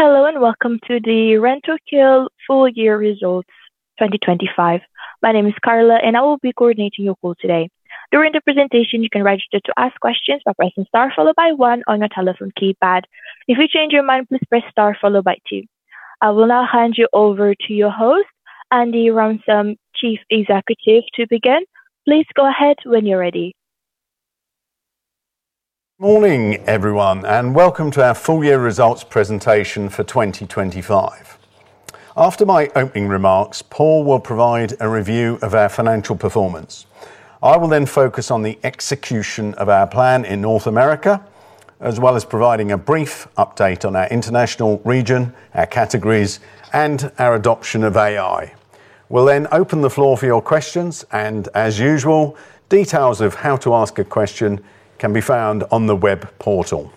Hello, welcome to the Rentokil full year results 2025. My name is Carla and I will be coordinating your call today. During the presentation, you can register to ask questions by pressing star followed by one on your telephone keypad. If you change your mind, please press star followed by two. I will now hand you over to host, Andy Ransom, Chief Executive. To begin, please go ahead when you're ready. Morning, everyone, welcome to our full year results presentation for 2025. After my opening remarks, Paul will provide a review of our financial performance. I will focus on the execution of our plan in North America, as well as providing a brief update on our international region, our categories, and our adoption of AI. We'll open the floor for your questions. As usual, details of how to ask a question can be found on the web portal.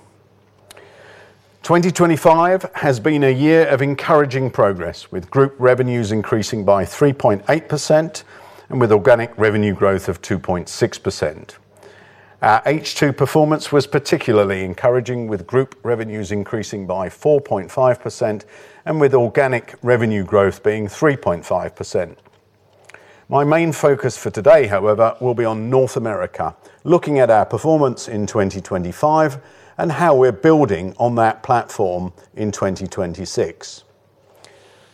2025 has been a year of encouraging progress, with group revenues increasing by 3.8% and with organic revenue growth of 2.6%. Our H2 performance was particularly encouraging, with group revenues increasing by 4.5% and with organic revenue growth being 3.5%. My main focus for today, however, will be on North America, looking at our performance in 2025 and how we're building on that platform in 2026.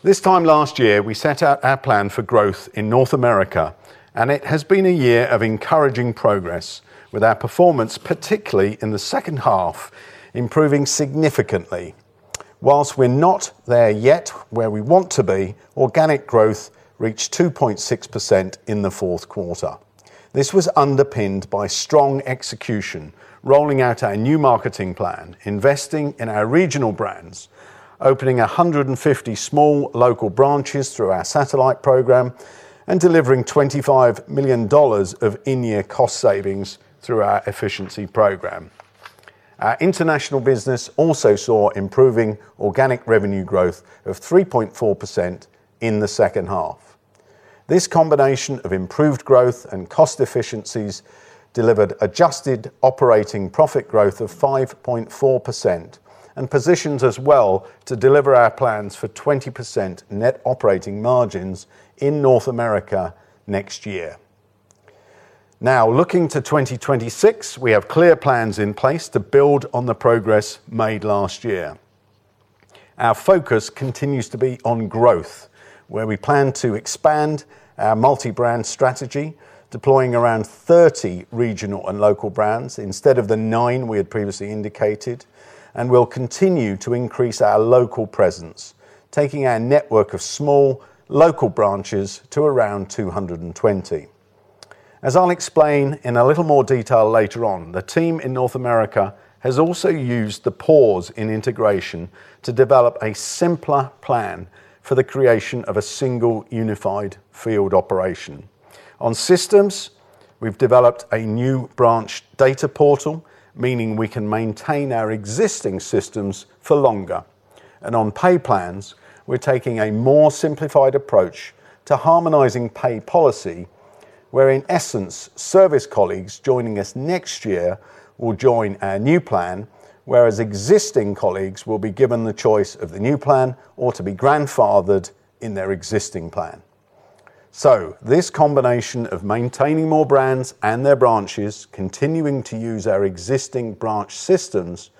This time last year, we set out our plan for growth in North America, and it has been a year of encouraging progress with our performance, particularly in the second half, improving significantly. Whilst we're not there yet, where we want to be, organic growth reached 2.6% in the fourth quarter. This was underpinned by strong execution, rolling out our new marketing plan, investing in our regional brands, opening 150 small local branches through our satellite program, and delivering $25 million of in-year cost savings through our efficiency program. Our international business also saw improving organic revenue growth of 3.4% in the second half. This combination of improved growth and cost efficiencies delivered adjusted operating profit growth of 5.4% and positions us well to deliver our plans for 20% net operating margins in North America next year. Looking to 2026, we have clear plans in place to build on the progress made last year. Our focus continues to be on growth, where we plan to expand our multi-brand strategy, deploying around 30 regional and local brands instead of the nine we had previously indicated. We'll continue to increase our local presence, taking our network of small local branches to around 220. As I'll explain in a little more detail later on, the team in North America has also used the pause in integration to develop a simpler plan for the creation of a single unified field operation. On systems, we've developed a new branch data portal, meaning we can maintain our existing systems for longer. On pay plans, we're taking a more simplified approach to harmonizing pay policy, where in essence, service colleagues joining us next year will join our new plan, whereas existing colleagues will be given the choice of the new plan or to be grandfathered in their existing plan. This combination of maintaining more brands and their branches, continuing to use our existing branch systems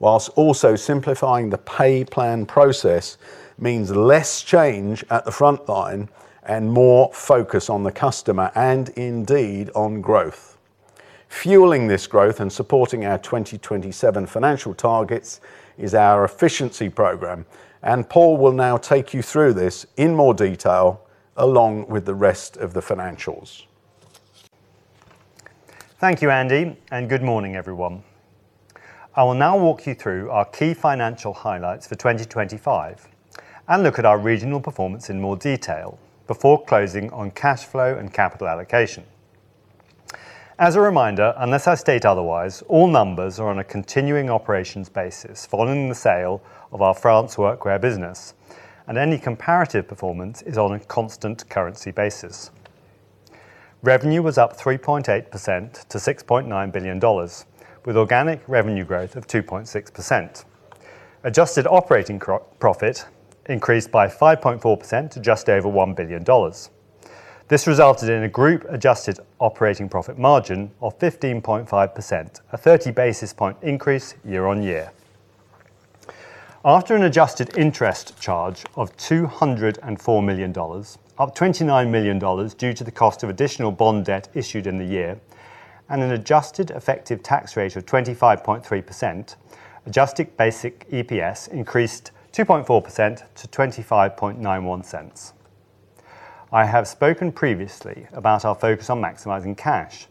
whilst also simplifying the pay plan process means less change at the front line and more focus on the customer and indeed on growth. Fueling this growth and supporting our 2027 financial targets is our efficiency program. Paul will now take you through this in more detail along with the rest of the financials. Thank you, Andy. Good morning, everyone. I will now walk you through our key financial highlights for 2025 and look at our regional performance in more detail before closing on cash flow and capital allocation. As a reminder, unless I state otherwise, all numbers are on a continuing operations basis following the sale of our France Workwear business, and any comparative performance is on a constant currency basis. Revenue was up 3.8% to $6.9 billion, with organic revenue growth of 2.6%. Adjusted operating profit increased by 5.4% to just over $1 billion. This resulted in a group adjusted operating profit margin of 15.5%, a 30 basis point increase year-on-year. After an adjusted interest charge of $204 million, up $29 million due to the cost of additional bond debt issued in the year and an adjusted effective tax rate of 25.3%, adjusted basic EPS increased 2.4% to $0.2591. I have spoken previously about our focus on maximizing cash,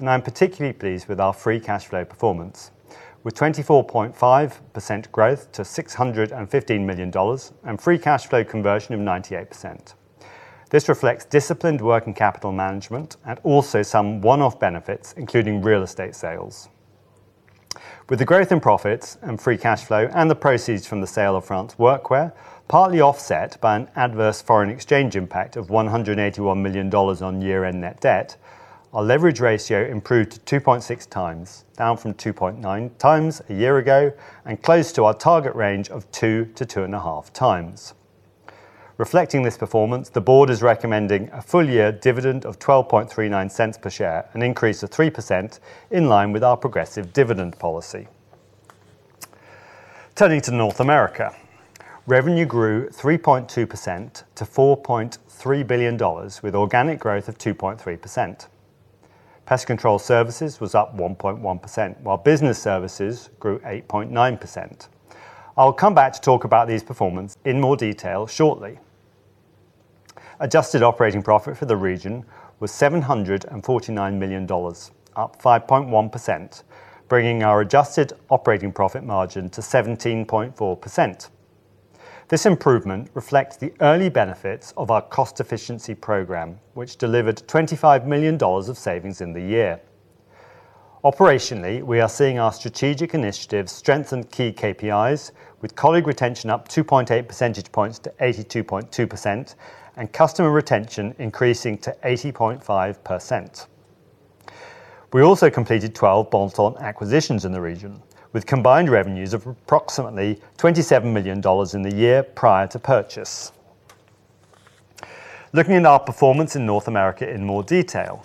I am particularly pleased with our free cash flow performance with 24.5% growth to $615 million and free cash flow conversion of 98%. This reflects disciplined working capital management and also some one-off benefits, including real estate sales. The growth in profits and free cash flow and the proceeds from the sale of France Workwear, partly offset by an adverse foreign exchange impact of $181 million on year-end net debt, our leverage ratio improved to 2.6x, down from 2.9x a year ago and close to our target range of 2x-2.5x. Reflecting this performance, the board is recommending a full-year dividend of $0.1239 per share, an increase of 3% in line with our progressive dividend policy. Turning to North America. Revenue grew 3.2% to $4.3 billion with organic growth of 2.3%. Pest Control Services was up 1.1%, while Business Services grew 8.9%. I will come back to talk about these performance in more detail shortly. Adjusted operating profit for the region was $749 million, up 5.1%, bringing our adjusted operating profit margin to 17.4%. This improvement reflects the early benefits of our cost efficiency program, which delivered $25 million of savings in the year. Operationally, we are seeing our strategic initiatives strengthen key KPIs with colleague retention up 2.8 percentage points to 82.2% and customer retention increasing to 80.5%. We also completed 12 bolt-on acquisitions in the region, with combined revenues of approximately $27 million in the year prior to purchase. Looking at our performance in North America in more detail.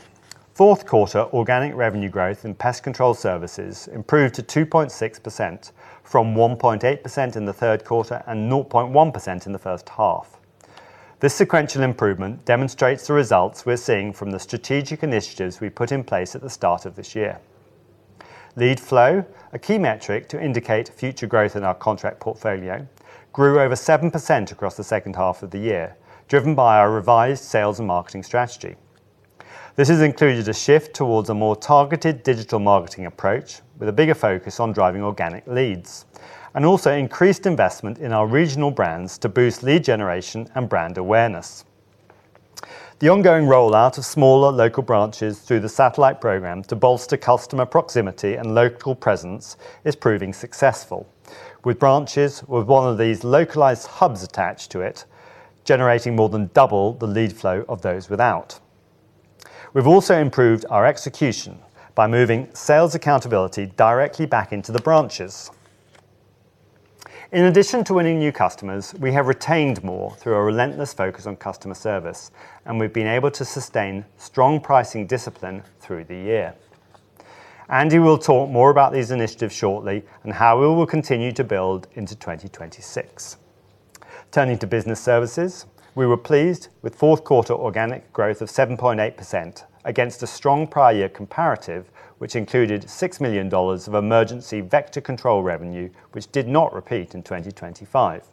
Fourth quarter organic revenue growth in Pest Control Services improved to 2.6% from 1.8% in the third quarter and 0.1% in the first half. This sequential improvement demonstrates the results we're seeing from the strategic initiatives we put in place at the start of this year. Lead flow, a key metric to indicate future growth in our contract portfolio, grew over 7% across the second half of the year, driven by our revised sales and marketing strategy. This has included a shift towards a more targeted digital marketing approach with a bigger focus on driving organic leads, and also increased investment in our regional brands to boost lead generation and brand awareness. The ongoing rollout of smaller local branches through the satellite program to bolster customer proximity and local presence is proving successful, with branches with one of these localized hubs attached to it generating more than double the lead flow of those without. We've also improved our execution by moving sales accountability directly back into the branches. In addition to winning new customers, we have retained more through a relentless focus on customer service, and we've been able to sustain strong pricing discipline through the year. Andy will talk more about these initiatives shortly and how we will continue to build into 2026. Turning to Business Services. We were pleased with fourth quarter organic growth of 7.8% against a strong prior year comparative, which included $6 million of emergency vector control revenue, which did not repeat in 2025.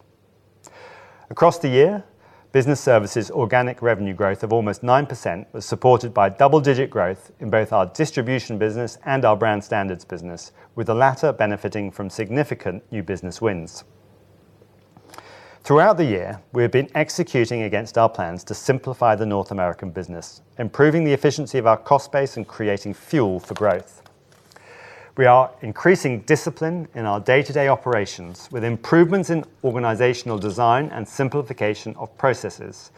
Across the year, Business Services organic revenue growth of almost 9% was supported by double-digit growth in both our distribution business and our brand standards business, with the latter benefiting from significant new business wins. Throughout the year, we have been executing against our plans to simplify the North American business, improving the efficiency of our cost base and creating fuel for growth. We are increasing discipline in our day-to-day operations with improvements in organizational design and simplification of processes.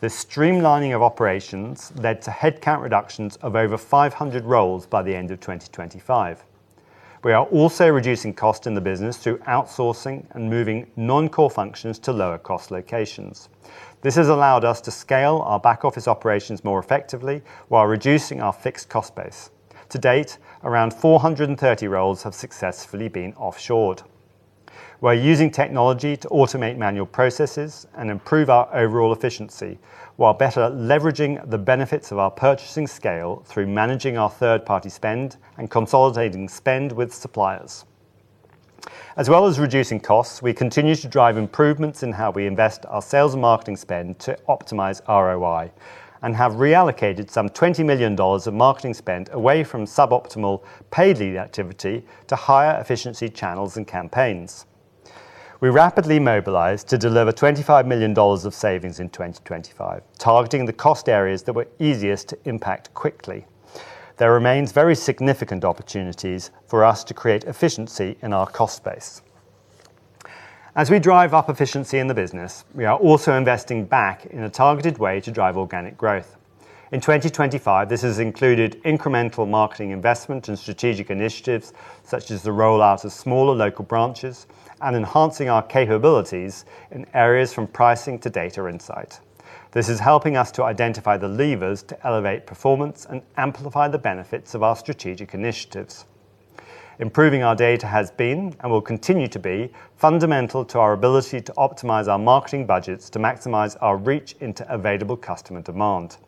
The streamlining of operations led to headcount reductions of over 500 roles by the end of 2025. We are also reducing cost in the business through outsourcing and moving non-core functions to lower cost locations. This has allowed us to scale our back-office operations more effectively while reducing our fixed cost base. To date, around 430 roles have successfully been offshored. We're using technology to automate manual processes and improve our overall efficiency while better leveraging the benefits of our purchasing scale through managing our third-party spend and consolidating spend with suppliers. As well as reducing costs, we continue to drive improvements in how we invest our sales and marketing spend to optimize ROI and have reallocated some $20 million of marketing spend away from suboptimal paid lead activity to higher efficiency channels and campaigns. We rapidly mobilized to deliver $25 million of savings in 2025, targeting the cost areas that were easiest to impact quickly. There remains very significant opportunities for us to create efficiency in our cost base. As we drive up efficiency in the business, we are also investing back in a targeted way to drive organic growth. In 2025, this has included incremental marketing investment and strategic initiatives such as the rollout of smaller local branches and enhancing our capabilities in areas from pricing to data insight. This is helping us to identify the levers to elevate performance and amplify the benefits of our strategic initiatives. Improving our data has been and will continue to be fundamental to our ability to optimize our marketing budgets to maximize our reach into available customer demand.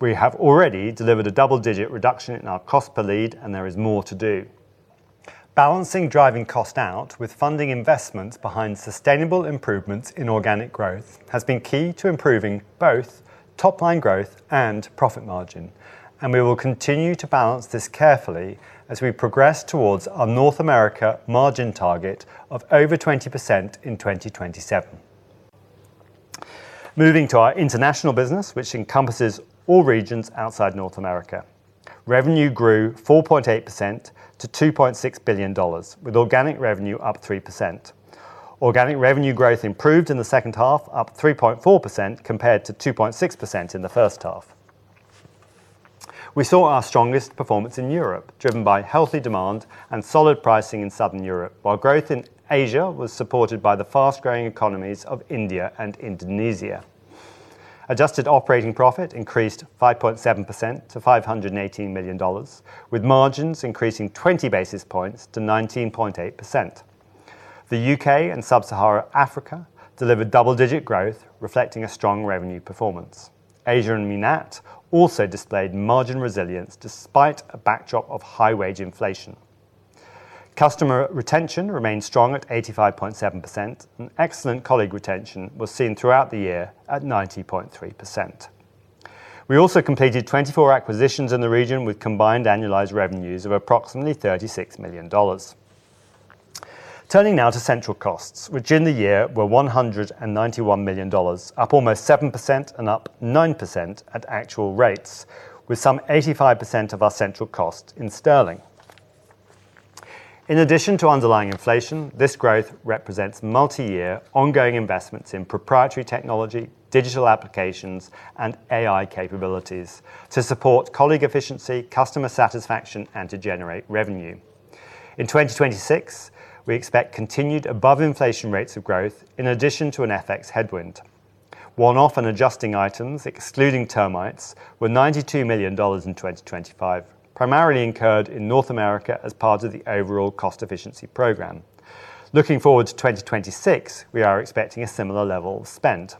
We have already delivered a double-digit reduction in our cost per lead, and there is more to do. Balancing driving cost out with funding investments behind sustainable improvements in organic growth has been key to improving both top line growth and profit margin, and we will continue to balance this carefully as we progress towards our North America margin target of over 20% in 2027. Moving to our international business, which encompasses all regions outside North America. Revenue grew 4.8% to $2.6 billion, with organic revenue up 3%. Organic revenue growth improved in the second half, up 3.4% compared to 2.6% in the first half. We saw our strongest performance in Europe, driven by healthy demand and solid pricing in Southern Europe, while growth in Asia was supported by the fast-growing economies of India and Indonesia. Adjusted operating profit increased 5.7% to $518 million, with margins increasing 20 basis points to 19.8%. The U.K. and Sub-Sahara Africa delivered double-digit growth, reflecting a strong revenue performance. Asia and MENAT also displayed margin resilience despite a backdrop of high wage inflation. Customer retention remained strong at 85.7%, and excellent colleague retention was seen throughout the year at 90.3%. We also completed 24 acquisitions in the region, with combined annualized revenues of approximately $36 million. Turning now to central costs, which in the year were $191 million, up almost 7% and up 9% at actual rates, with some 85% of our central cost in sterling. In addition to underlying inflation, this growth represents multi-year ongoing investments in proprietary technology, digital applications, and AI capabilities to support colleague efficiency, customer satisfaction, and to generate revenue. In 2026, we expect continued above-inflation rates of growth in addition to an FX headwind. One-off and adjusting items, excluding Terminix, were $92 million in 2025, primarily incurred in North America as part of the overall cost efficiency program. Looking forward to 2026, we are expecting a similar level of spend.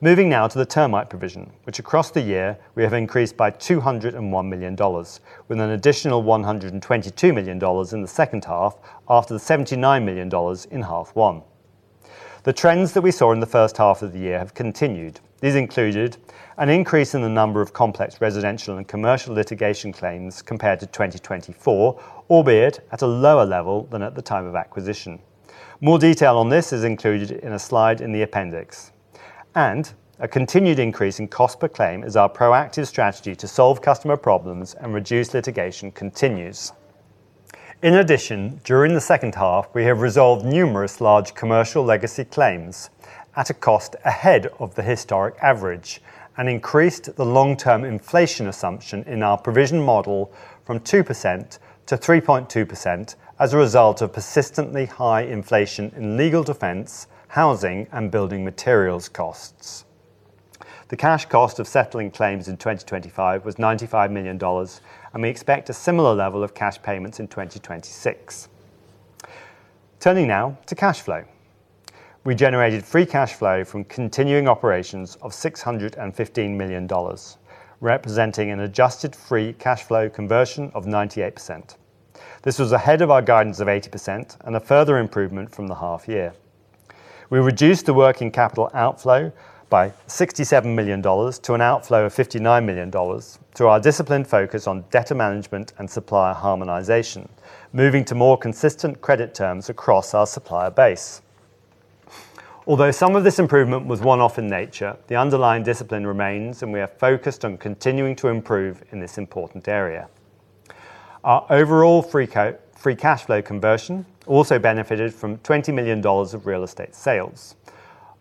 Moving now to the termite provision, which across the year we have increased by $201 million, with an additional $122 million in the second half after the $79 million in half one. The trends that we saw in the first half of the year have continued. These included an increase in the number of complex residential and commercial litigation claims compared to 2024, albeit at a lower level than at the time of acquisition. More detail on this is included in a slide in the appendix. A continued increase in cost per claim as our proactive strategy to solve customer problems and reduce litigation continues. During the second half, we have resolved numerous large commercial legacy claims at a cost ahead of the historic average and increased the long-term inflation assumption in our provision model from 2% to 3.2% as a result of persistently high inflation in legal defense, housing, and building materials costs. The cash cost of settling claims in 2025 was $95 million, we expect a similar level of cash payments in 2026. Turning now to cash flow. We generated free cash flow from continuing operations of $615 million, representing an adjusted free cash flow conversion of 98%. This was ahead of our guidance of 80% and a further improvement from the half year. We reduced the working capital outflow by $67 million to an outflow of $59 million through our disciplined focus on debtor management and supplier harmonization, moving to more consistent credit terms across our supplier base. Some of this improvement was one-off in nature, the underlying discipline remains, and we are focused on continuing to improve in this important area. Our overall free cash flow conversion also benefited from $20 million of real estate sales.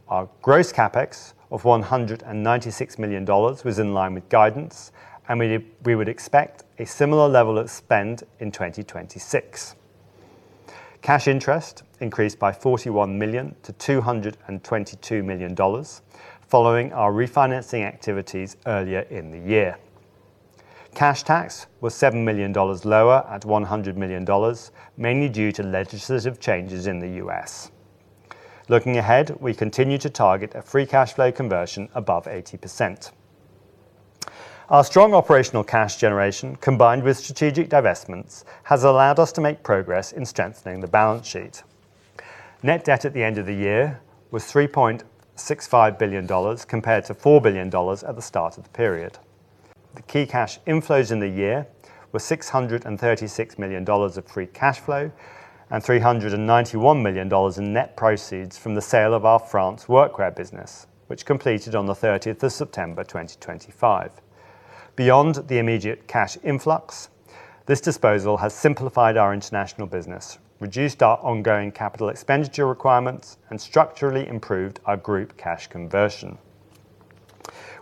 Our gross CapEx of $196 million was in line with guidance. We would expect a similar level of spend in 2026. Cash interest increased by $41 million to $222 million following our refinancing activities earlier in the year. Cash tax was $7 million lower at $100 million, mainly due to legislative changes in the U.S. Looking ahead, we continue to target a free cash flow conversion above 80%. Our strong operational cash generation, combined with strategic divestments, has allowed us to make progress in strengthening the balance sheet. Net debt at the end of the year was $3.65 billion compared to $4 billion at the start of the period. The key cash inflows in the year were $636 million of free cash flow and $391 million in net proceeds from the sale of our France Workwear business, which completed on the 30th of September 2025. Beyond the immediate cash influx, this disposal has simplified our international business, reduced our ongoing capital expenditure requirements, and structurally improved our group cash conversion.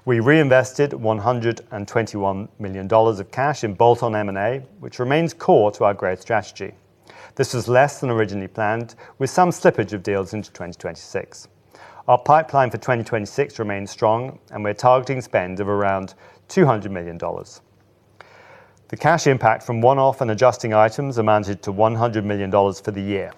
We reinvested $121 million of cash in bolt-on M&A, which remains core to our growth strategy. This was less than originally planned, with some slippage of deals into 2026. Our pipeline for 2026 remains strong and we're targeting spend of around $200 million. The cash impact from one-off and adjusting items amounted to $100 million for the year.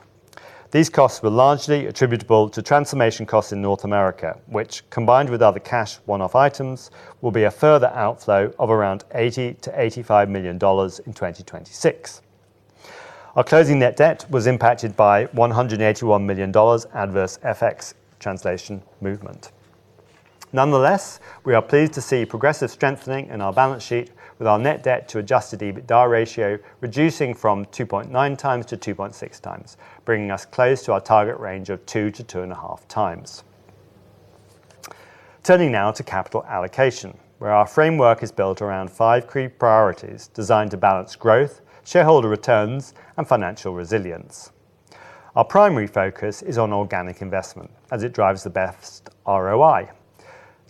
These costs were largely attributable to transformation costs in North America, which, combined with other cash one-off items, will be a further outflow of around $80 million-$85 million in 2026. Our closing net debt was impacted by $181 million adverse FX translation movement. Nonetheless, we are pleased to see progressive strengthening in our balance sheet with our net debt to adjusted EBITDA ratio reducing from 2.9xs to 2.6x, bringing us close to our target range of 2x-2.5x. Turning now to capital allocation, where our framework is built around five key priorities designed to balance growth, shareholder returns, and financial resilience. Our primary focus is on organic investment as it drives the best ROI,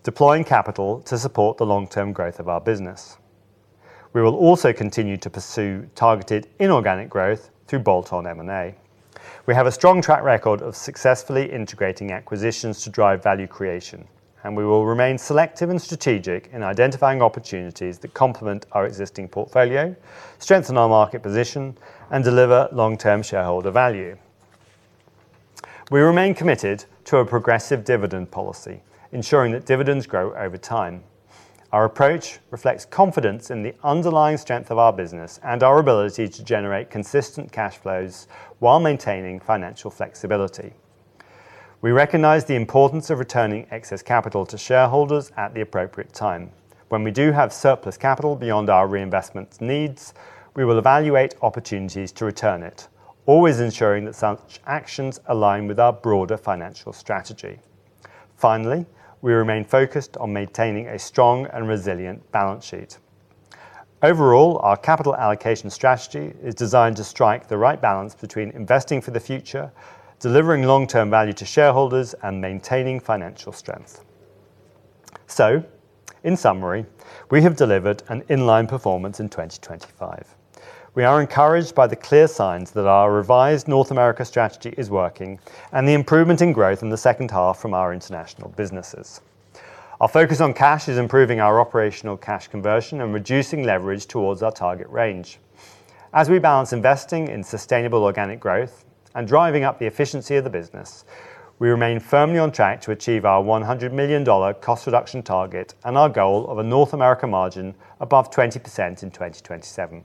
deploying capital to support the long-term growth of our business. We will also continue to pursue targeted inorganic growth through bolt-on M&A. We have a strong track record of successfully integrating acquisitions to drive value creation. We will remain selective and strategic in identifying opportunities that complement our existing portfolio, strengthen our market position, and deliver long-term shareholder value. We remain committed to a progressive dividend policy, ensuring that dividends grow over time. Our approach reflects confidence in the underlying strength of our business and our ability to generate consistent cash flows while maintaining financial flexibility. We recognize the importance of returning excess capital to shareholders at the appropriate time. When we do have surplus capital beyond our reinvestment needs, we will evaluate opportunities to return it, always ensuring that such actions align with our broader financial strategy. Finally, we remain focused on maintaining a strong and resilient balance sheet. Overall, our capital allocation strategy is designed to strike the right balance between investing for the future, delivering long-term value to shareholders, and maintaining financial strength. In summary, we have delivered an in-line performance in 2025. We are encouraged by the clear signs that our revised North America strategy is working and the improvement in growth in the second half from our international businesses. Our focus on cash is improving our operational cash conversion and reducing leverage towards our target range. As we balance investing in sustainable organic growth and driving up the efficiency of the business, we remain firmly on track to achieve our $100 million cost reduction target and our goal of a North America margin above 20% in 2027.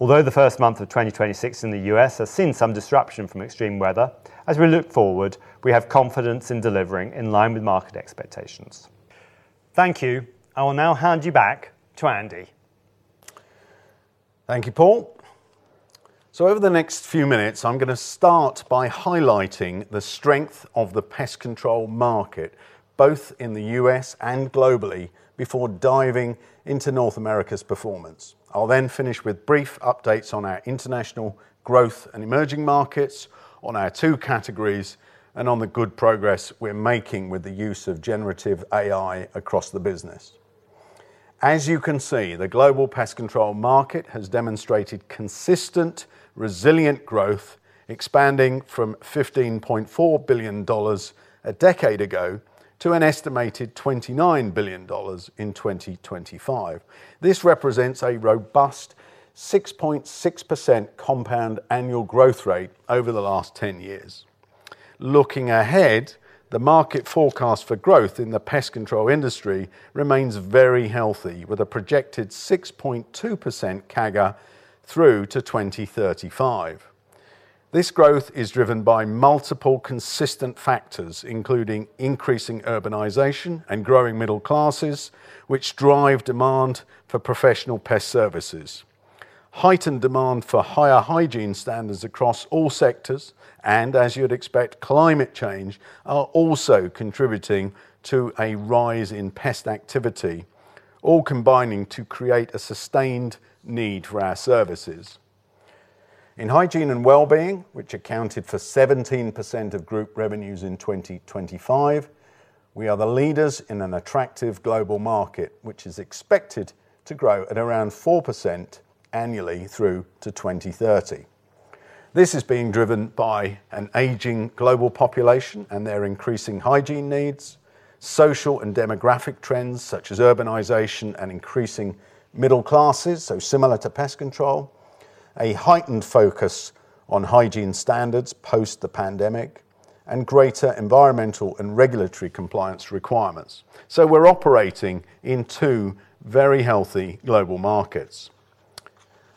The first month of 2026 in the U.S. has seen some disruption from extreme weather, as we look forward, we have confidence in delivering in line with market expectations. Thank you. I will now hand you back to Andy. Thank you, Paul. Over the next few minutes, I'm going to start by highlighting the strength of the pest control market, both in the U.S. and globally, before diving into North America's performance. I'll finish with brief updates on our international growth and emerging markets, on our two categories, and on the good progress we're making with the use of generative AI across the business. The global pest control market has demonstrated consistent, resilient growth, expanding from $15.4 billion a decade ago to an estimated $29 billion in 2025. This represents a robust 6.6% compound annual growth rate over the last 10 years. Looking ahead, the market forecast for growth in the pest control industry remains very healthy, with a projected 6.2% CAGR through to 2035. This growth is driven by multiple consistent factors, including increasing urbanization and growing middle classes, which drive demand for professional pest services. Heightened demand for higher hygiene standards across all sectors and, as you'd expect, climate change are also contributing to a rise in pest activity, all combining to create a sustained need for our services. In Hygiene & Wellbeing, which accounted for 17% of group revenues in 2025, we are the leaders in an attractive global market, which is expected to grow at around 4% annually through to 2030. This is being driven by an aging global population and their increasing hygiene needs, social and demographic trends such as urbanization and increasing middle classes, similar to pest control, a heightened focus on hygiene standards post the pandemic, and greater environmental and regulatory compliance requirements. We're operating in two very healthy global markets.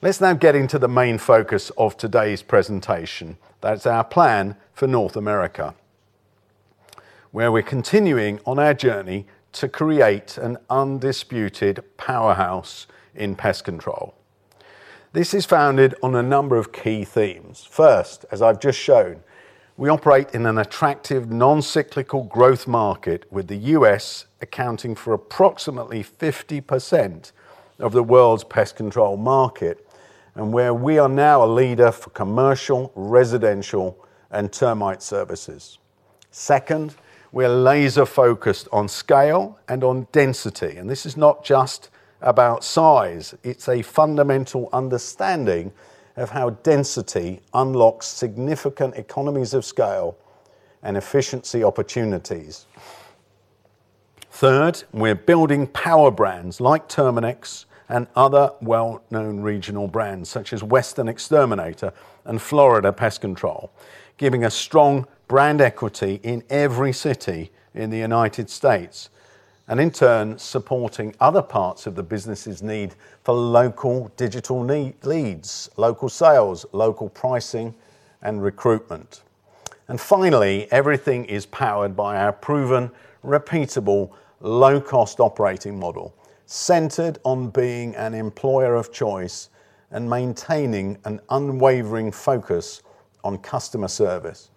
Let's now get into the main focus of today's presentation. That's our plan for North America, where we're continuing on our journey to create an undisputed powerhouse in pest control. This is founded on a number of key themes. First, as I've just shown, we operate in an attractive non-cyclical growth market with the U.S. accounting for approximately 50% of the world's pest control market and where we are now a leader for commercial, residential, and termite services. Second, we're laser-focused on scale and on density. This is not just about size, it's a fundamental understanding of how density unlocks significant economies of scale and efficiency opportunities. Third, we're building power brands like Terminix and other well-known regional brands such as Western Exterminator and Florida Pest Control, giving us strong brand equity in every city in the United States and in turn supporting other parts of the business's need for local digital leads, local sales, local pricing, and recruitment. Finally, everything is powered by our proven, repeatable, low-cost operating model centered on being an employer of choice and maintaining an unwavering focus on customer service.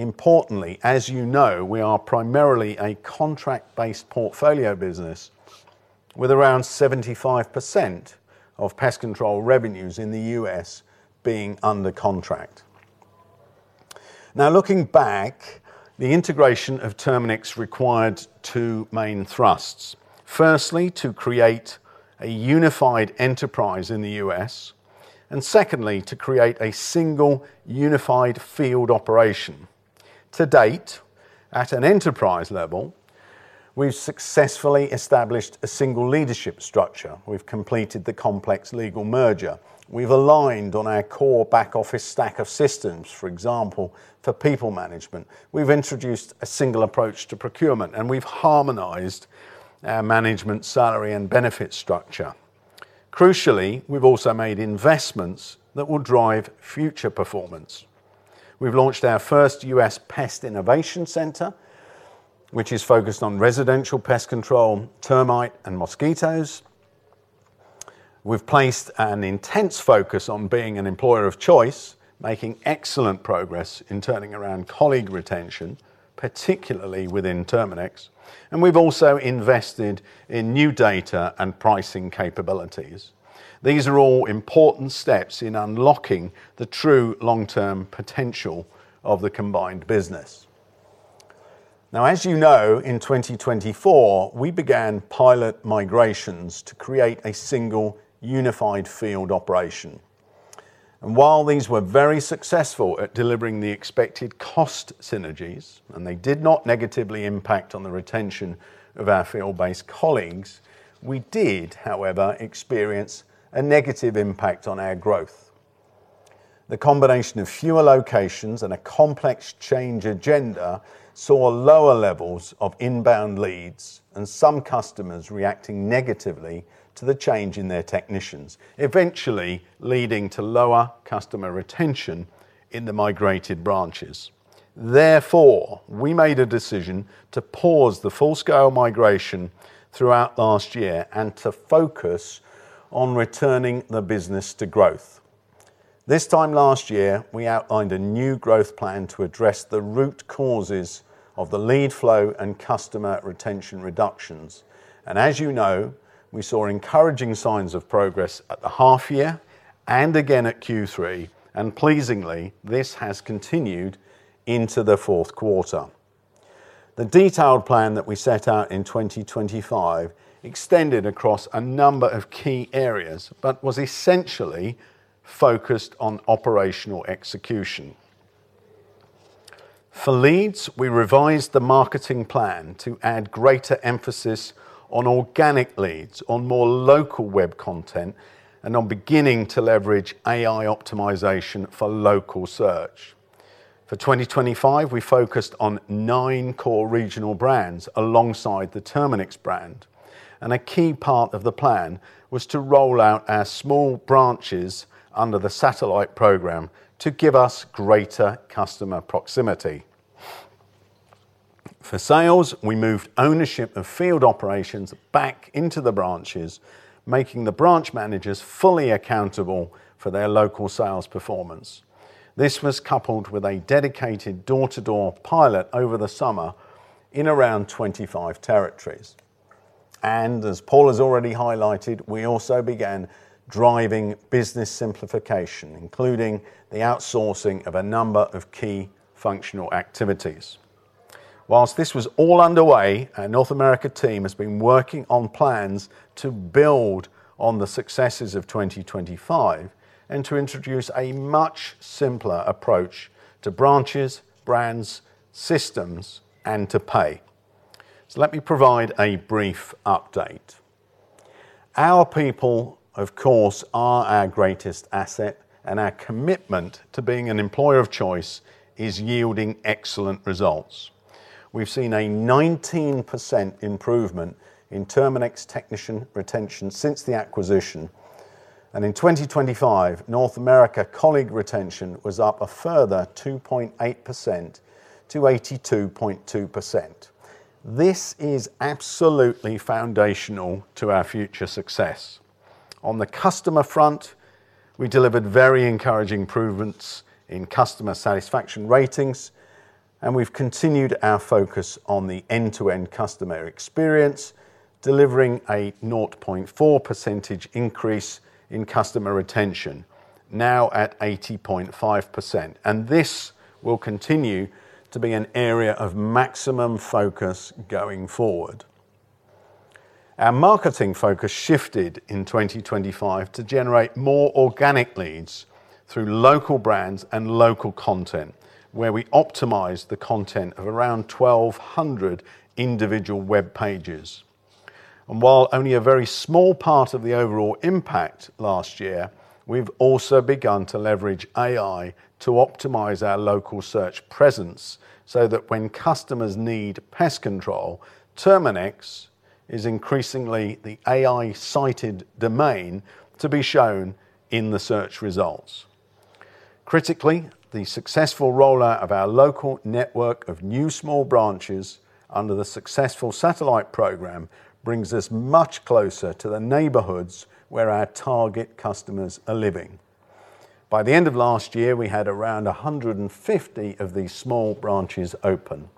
Importantly, as you know, we are primarily a contract-based portfolio business. With around 75% of pest control revenues in the U.S. being under contract. Looking back, the integration of Terminix required two main thrusts. Firstly, to create a unified enterprise in the U.S., and secondly, to create a single unified field operation. To date, at an enterprise level, we've successfully established a single leadership structure. We've completed the complex legal merger. We've aligned on our core back office stack of systems. For example, for people management. We've introduced a single approach to procurement, and we've harmonized our management salary and benefit structure. Crucially, we've also made investments that will drive future performance. We've launched our first U.S. Pest Innovation Center, which is focused on residential pest control, termite, and mosquitoes. We've placed an intense focus on being an employer of choice, making excellent progress in turning around colleague retention, particularly within Terminix, and we've also invested in new data and pricing capabilities. These are all important steps in unlocking the true long-term potential of the combined business. Now as you know, in 2024, we began pilot migrations to create a single unified field operation. While these were very successful at delivering the expected cost synergies, and they did not negatively impact on the retention of our field-based colleagues, we did, however, experience a negative impact on our growth. The combination of fewer locations and a complex change agenda saw lower levels of inbound leads and some customers reacting negatively to the change in their technicians, eventually leading to lower customer retention in the migrated branches. Therefore, we made a decision to pause the full-scale migration throughout last year and to focus on returning the business to growth. This time last year, we outlined a new growth plan to address the root causes of the lead flow and customer retention reductions. As you know, we saw encouraging signs of progress at the half-year and again at Q3, and pleasingly, this has continued into the fourth quarter. The detailed plan that we set out in 2025 extended across a number of key areas, but was essentially focused on operational execution. For leads, we revised the marketing plan to add greater emphasis on organic leads, on more local web content, and on beginning to leverage AI optimization for local search. For 2025, we focused on nine core regional brands alongside the Terminix brand, and a key part of the plan was to roll out our small branches under the satellite program to give us greater customer proximity. For sales, we moved ownership of field operations back into the branches, making the branch managers fully accountable for their local sales performance. This was coupled with a dedicated door-to-door pilot over the summer in around 25 territories. As Paul has already highlighted, we also began driving business simplification, including the outsourcing of a number of key functional activities. Whilst this was all underway, our North America team has been working on plans to build on the successes of 2025 and to introduce a much simpler approach to branches, brands, systems, and to pay. Let me provide a brief update. Our people, of course, are our greatest asset, and our commitment to being an employer of choice is yielding excellent results. We've seen a 19% improvement in Terminix technician retention since the acquisition, and in 2025, North America colleague retention was up a further 2.8% to 82.2%. This is absolutely foundational to our future success. On the customer front, we delivered very encouraging improvements in customer satisfaction ratings. We've continued our focus on the end-to-end customer experience, delivering a 0.4% increase in customer retention, now at 80.5%. This will continue to be an area of maximum focus going forward. Our marketing focus shifted in 2025 to generate more organic leads through local brands and local content, where we optimized the content of around 1,200 individual web pages. While only a very small part of the overall impact last year, we've also begun to leverage AI to optimize our local search presence, so that when customers need pest control, Terminix is increasingly the AI-cited domain to be shown in the search results. Critically, the successful rollout of our local network of new small branches under the successful satellite program brings us much closer to the neighborhoods where our target customers are living. By the end of last year, we had around 150 of these small branches open.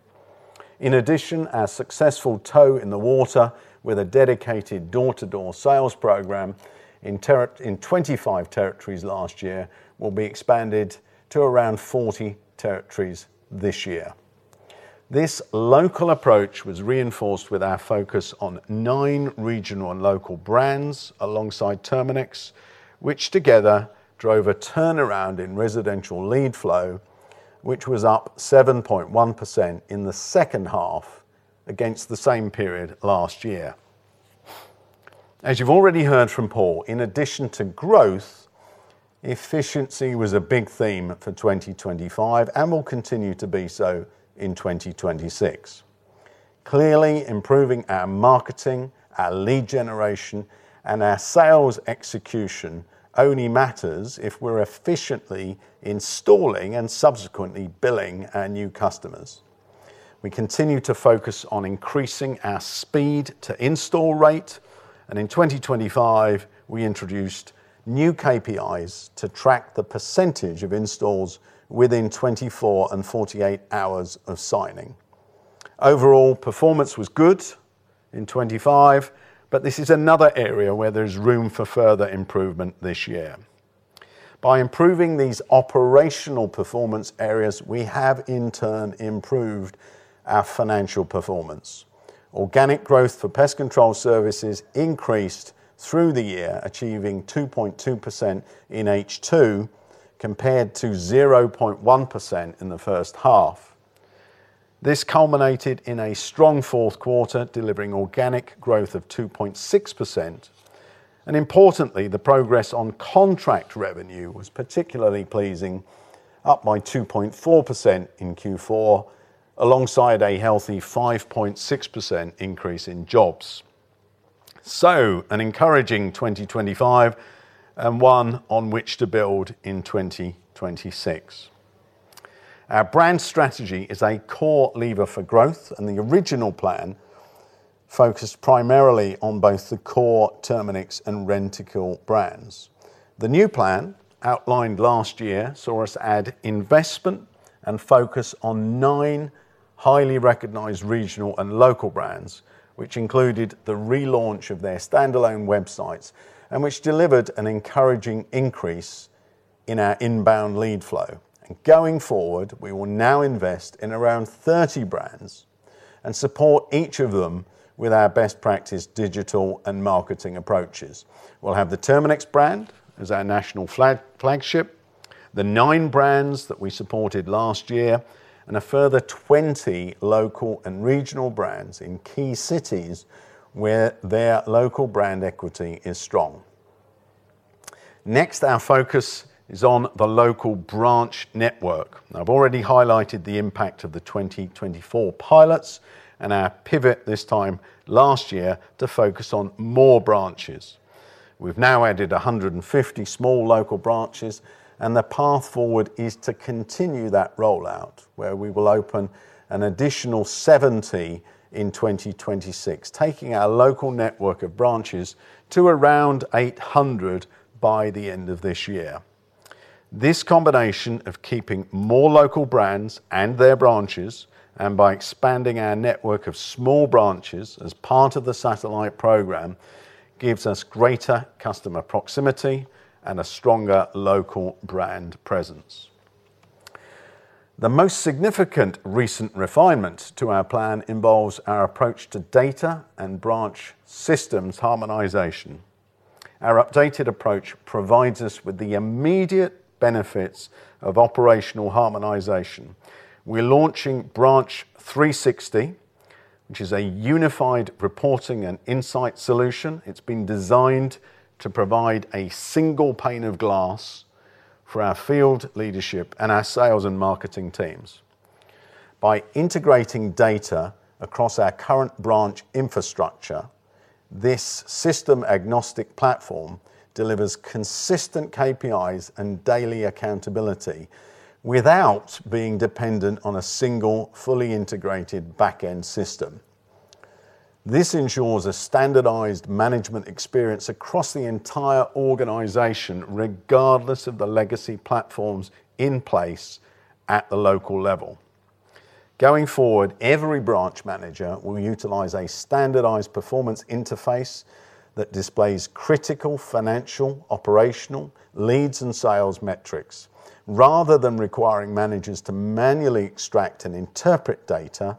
Our successful toe in the water with a dedicated door-to-door sales program in 25 territories last year will be expanded to around 40 territories this year. This local approach was reinforced with our focus on nine regional and local brands alongside Terminix, which together drove a turnaround in residential lead flow, which was up 7.1% in the second half against the same period last year. As you've already heard from Paul, in addition to growth, efficiency was a big theme for 2025 and will continue to be so in 2026. Improving our marketing, our lead generation, and our sales execution only matters if we're efficiently installing and subsequently billing our new customers. We continue to focus on increasing our speed to install rate, in 2025, we introduced new KPIs to track the percent of installs within 24 and 48 hours of signing. Overall, performance was good in 2025, this is another area where there's room for further improvement this year. By improving these operational performance areas, we have in turn improved our financial performance. Organic growth for Pest Control Services increased through the year, achieving 2.2% in H2 compared to 0.1% in the first half. This culminated in a strong fourth quarter, delivering organic growth of 2.6%. Importantly, the progress on contract revenue was particularly pleasing, up by 2.4% in Q4, alongside a healthy 5.6% increase in jobs. An encouraging 2025 and one on which to build in 2026. Our brand strategy is a core lever for growth, the original plan focused primarily on both the core Terminix and Rentokil brands. The new plan outlined last year saw us add investment and focus on nine highly recognized regional and local brands, which included the relaunch of their standalone websites and which delivered an encouraging increase in our inbound lead flow. Going forward, we will now invest in around 30 brands and support each of them with our best practice digital and marketing approaches. We'll have the Terminix brand as our national flagship, the nine brands that we supported last year, and a further 20 local and regional brands in key cities where their local brand equity is strong. Next, our focus is on the local branch network. I've already highlighted the impact of the 2024 pilots and our pivot this time last year to focus on more branches. We've now added 150 small local branches, and the path forward is to continue that rollout, where we will open an additional 70 in 2026, taking our local network of branches to around 800 by the end of this year. This combination of keeping more local brands and their branches, and by expanding our network of small branches as part of the satellite program, gives us greater customer proximity and a stronger local brand presence. The most significant recent refinement to our plan involves our approach to data and branch systems harmonization. Our updated approach provides us with the immediate benefits of operational harmonization. We're launching Branch 360, which is a unified reporting and insight solution. It's been designed to provide a single pane of glass for our field leadership and our sales and marketing teams. By integrating data across our current branch infrastructure, this system-agnostic platform delivers consistent KPIs and daily accountability without being dependent on a single, fully integrated back-end system. This ensures a standardized management experience across the entire organization, regardless of the legacy platforms in place at the local level. Going forward, every branch manager will utilize a standardized performance interface that displays critical financial, operational, leads, and sales metrics. Rather than requiring managers to manually extract and interpret data,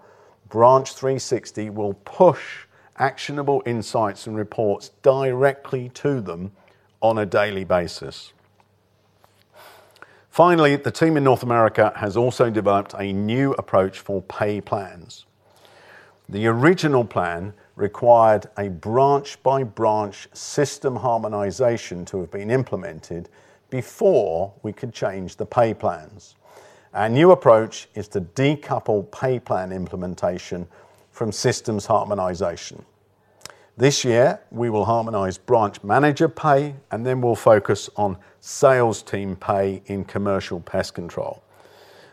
Branch 360 will push actionable insights and reports directly to them on a daily basis. Finally, the team in North America has also developed a new approach for pay plans. The original plan required a branch-by-branch system harmonization to have been implemented before we could change the pay plans. Our new approach is to decouple pay plan implementation from systems harmonization. This year, we will harmonize branch manager pay, and then we'll focus on sales team pay in commercial pest control.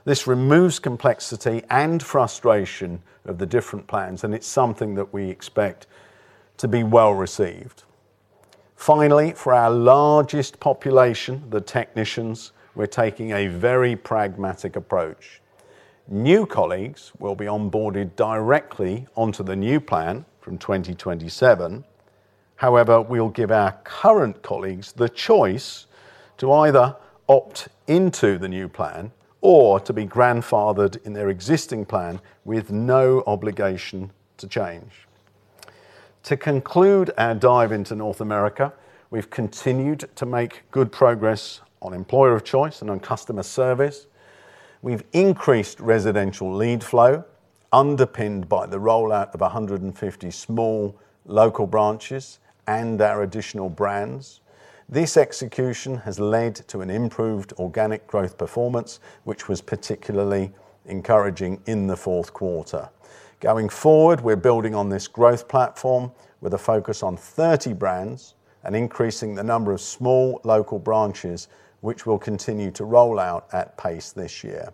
This removes complexity and frustration of the different plans, and it's something that we expect to be well-received. Finally, for our largest population, the technicians, we're taking a very pragmatic approach. New colleagues will be onboarded directly onto the new plan from 2027. We'll give our current colleagues the choice to either opt into the new plan or to be grandfathered in their existing plan with no obligation to change. To conclude our dive into North America, we've continued to make good progress on employer of choice and on customer service. We've increased residential lead flow, underpinned by the rollout of 150 small local branches and our additional brands. This execution has led to an improved organic growth performance, which was particularly encouraging in the fourth quarter. Going forward, we're building on this growth platform with a focus on 30 brands and increasing the number of small local branches, which we'll continue to roll out at pace this year.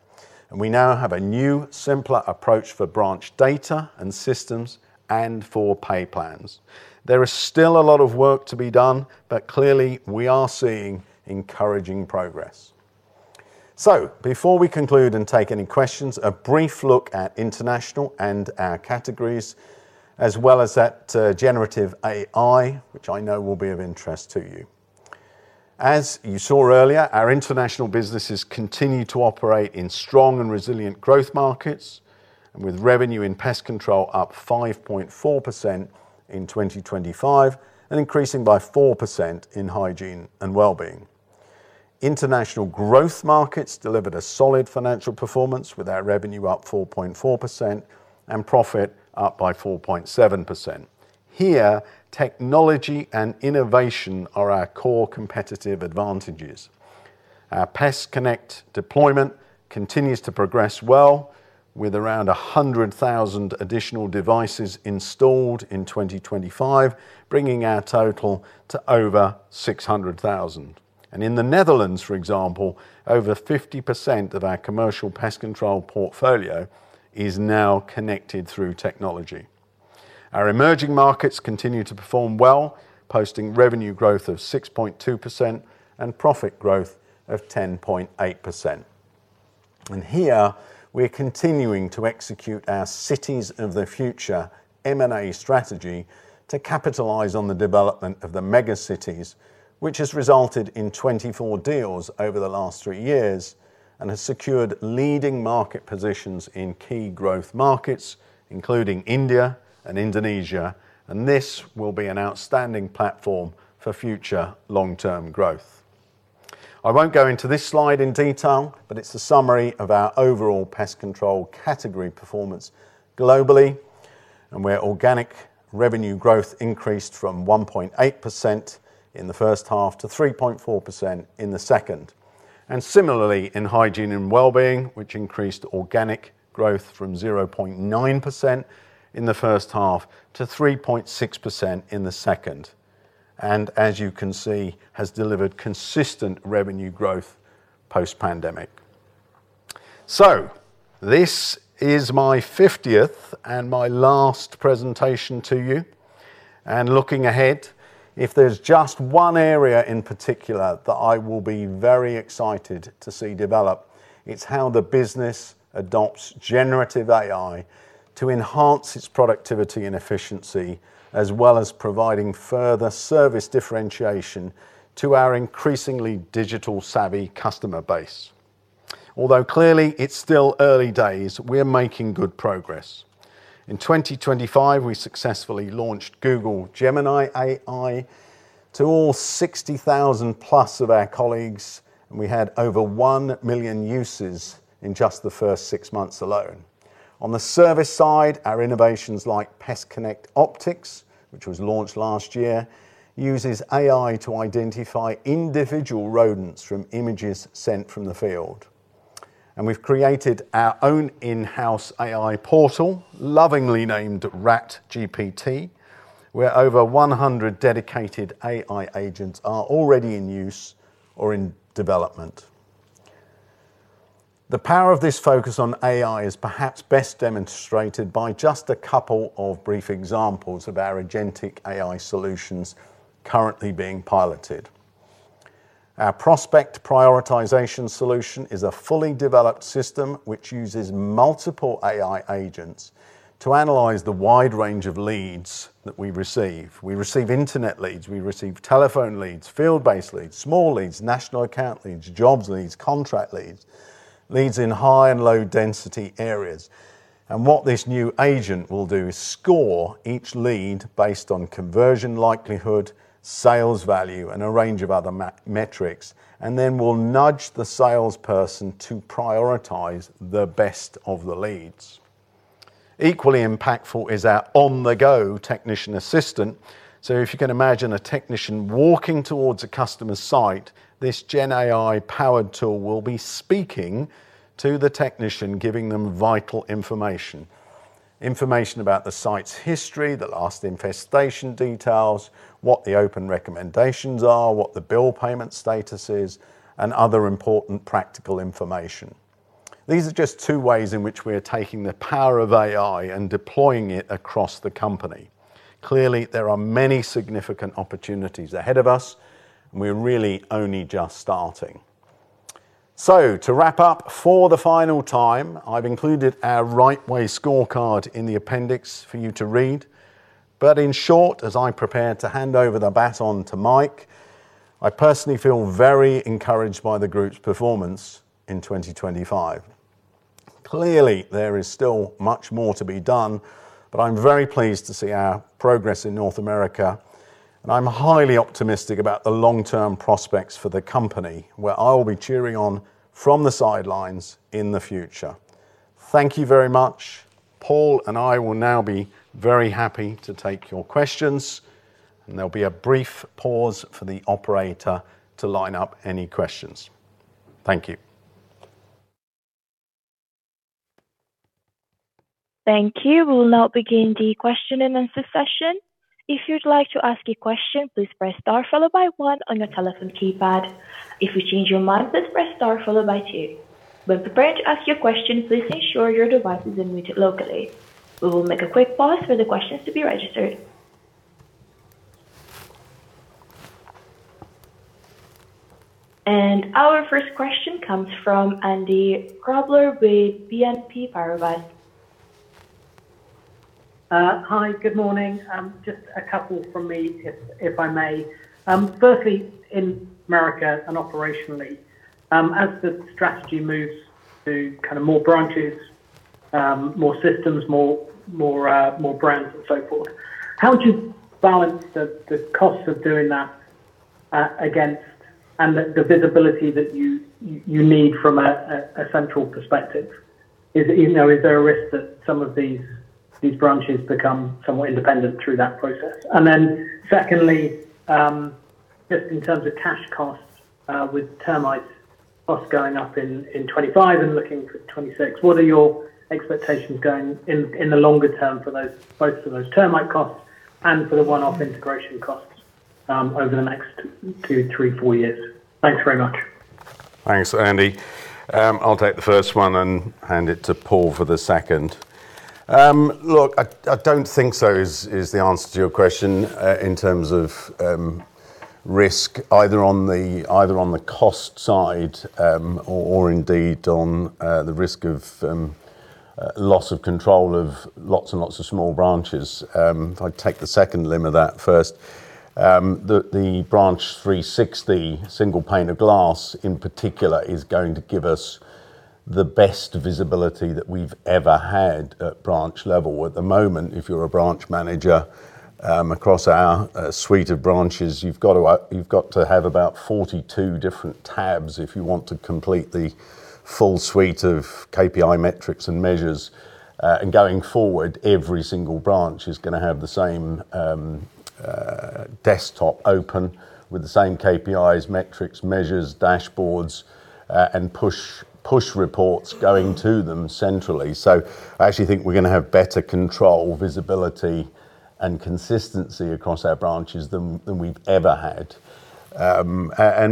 We now have a new, simpler approach for branch data and systems and for pay plans. There is still a lot of work to be done, but clearly we are seeing encouraging progress. Before we conclude and take any questions, a brief look at international and our categories, as well as at generative AI, which I know will be of interest to you. As you saw earlier, our international businesses continue to operate in strong and resilient growth markets and with revenue in Pest Control up 5.4% in 2025 and increasing by 4% in Hygiene & Wellbeing. International growth markets delivered a solid financial performance with our revenue up 4.4% and profit up by 4.7%. Here, technology and innovation are our core competitive advantages. Our PestConnect deployment continues to progress well with around 100,000 additional devices installed in 2025, bringing our total to over 600,000. In the Netherlands, for example, over 50% of our commercial pest control portfolio is now connected through technology. Our emerging markets continue to perform well, posting revenue growth of 6.2% and profit growth of 10.8%. Here we're continuing to execute our Cities of the Future M&A strategy to capitalize on the development of the mega cities, which has resulted in 24 deals over the last three years and has secured leading market positions in key growth markets, including India and Indonesia. This will be an outstanding platform for future long-term growth. I won't go into this slide in detail, but it's a summary of our overall pest control category performance globally and where organic revenue growth increased from 1.8% in the first half to 3.4% in the second. Similarly in Hygiene & Wellbeing, which increased organic growth from 0.9% in the first half to 3.6% in the second, and as you can see, has delivered consistent revenue growth post-pandemic. This is my 50th and my last presentation to you. Looking ahead, if there's just one area in particular that I will be very excited to see develop, it's how the business adopts generative AI to enhance its productivity and efficiency, as well as providing further service differentiation to our increasingly digital-savvy customer base. Although clearly it's still early days, we're making good progress. In 2025, we successfully launched Google Gemini AI to all 60,000+ of our colleagues, and we had over 1 million uses in just the first six months alone. On the service side, our innovations like PestConnect Optics, which was launched last year, uses AI to identify individual rodents from images sent from the field. We've created our own in-house AI portal, lovingly named RatGPT, where over 100 dedicated AI agents are already in use or in development. The power of this focus on AI is perhaps best demonstrated by just a couple of brief examples of our agentic AI solutions currently being piloted. Our prospect prioritization solution is a fully developed system which uses multiple AI agents to analyze the wide range of leads that we receive. We receive internet leads, we receive telephone leads, field-based leads, small leads, national account leads, jobs leads, contract leads in high and low density areas. What this new agent will do is score each lead based on conversion likelihood, sales value, and a range of other metrics, and then will nudge the salesperson to prioritize the best of the leads. Equally impactful is our on-the-go technician assistant. If you can imagine a technician walking towards a customer's site, this gen AI powered tool will be speaking to the technician, giving them vital information about the site's history, the last infestation details, what the open recommendations are, what the bill payment status is, and other important practical information. These are just two ways in which we are taking the power of AI and deploying it across the company. Clearly, there are many significant opportunities ahead of us, and we're really only just starting. To wrap up for the final time, I've included our RIGHT WAY scorecard in the appendix for you to read. In short, as I prepare to hand over the baton to Mike, I personally feel very encouraged by the group's performance in 2025. Clearly, there is still much more to be done, but I'm very pleased to see our progress in North America, and I'm highly optimistic about the long-term prospects for the company, where I will be cheering on from the sidelines in the future. Thank you very much. Paul and I will now be very happy to take your questions, and there'll be a brief pause for the operator to line up any questions. Thank you. Thank you. We will now begin the question-and-answer session. If you'd like to ask a question, please press star followed by one on your telephone keypad. If you change your mind, please press star followed by two. When prepared to ask your question, please ensure your device is unmuted locally. We will make a quick pause for the questions to be registered. Our first question comes from Andy Grobler with BNP Paribas. Hi, good morning. Just a couple from me if I may. Firstly, in America and operationally, as the strategy moves to kind of more branches, more systems, more brands and so forth, how do you balance the cost of doing that against and the visibility that you need from a central perspective? You know, is there a risk that some of these branches become somewhat independent through that process? Secondly, just in terms of cash costs, with Termite costs going up in 2025 and looking to 2026, what are your expectations going in the longer term for those Termite costs and for the one-off integration costs over the next two, three, four years? Thanks very much. Thanks, Andy. I'll take the first one and hand it to Paul for the second. Look, I don't think so is the answer to your question in terms of risk either on the cost side or indeed on the risk of loss of control of lots and lots of small branches. If I take the second limb of that first, the Branch 360 single pane of glass in particular is going to give us the best visibility that we've ever had at branch level. At the moment, if you're a branch manager, across our suite of branches, you've got to have about 42 different tabs if you want to complete the full suite of KPI metrics and measures. Going forward, every single branch is going to have the same desktop open with the same KPIs, metrics, measures, dashboards, and push reports going to them centrally. I actually think we're going to have better control, visibility, and consistency across our branches than we've ever had.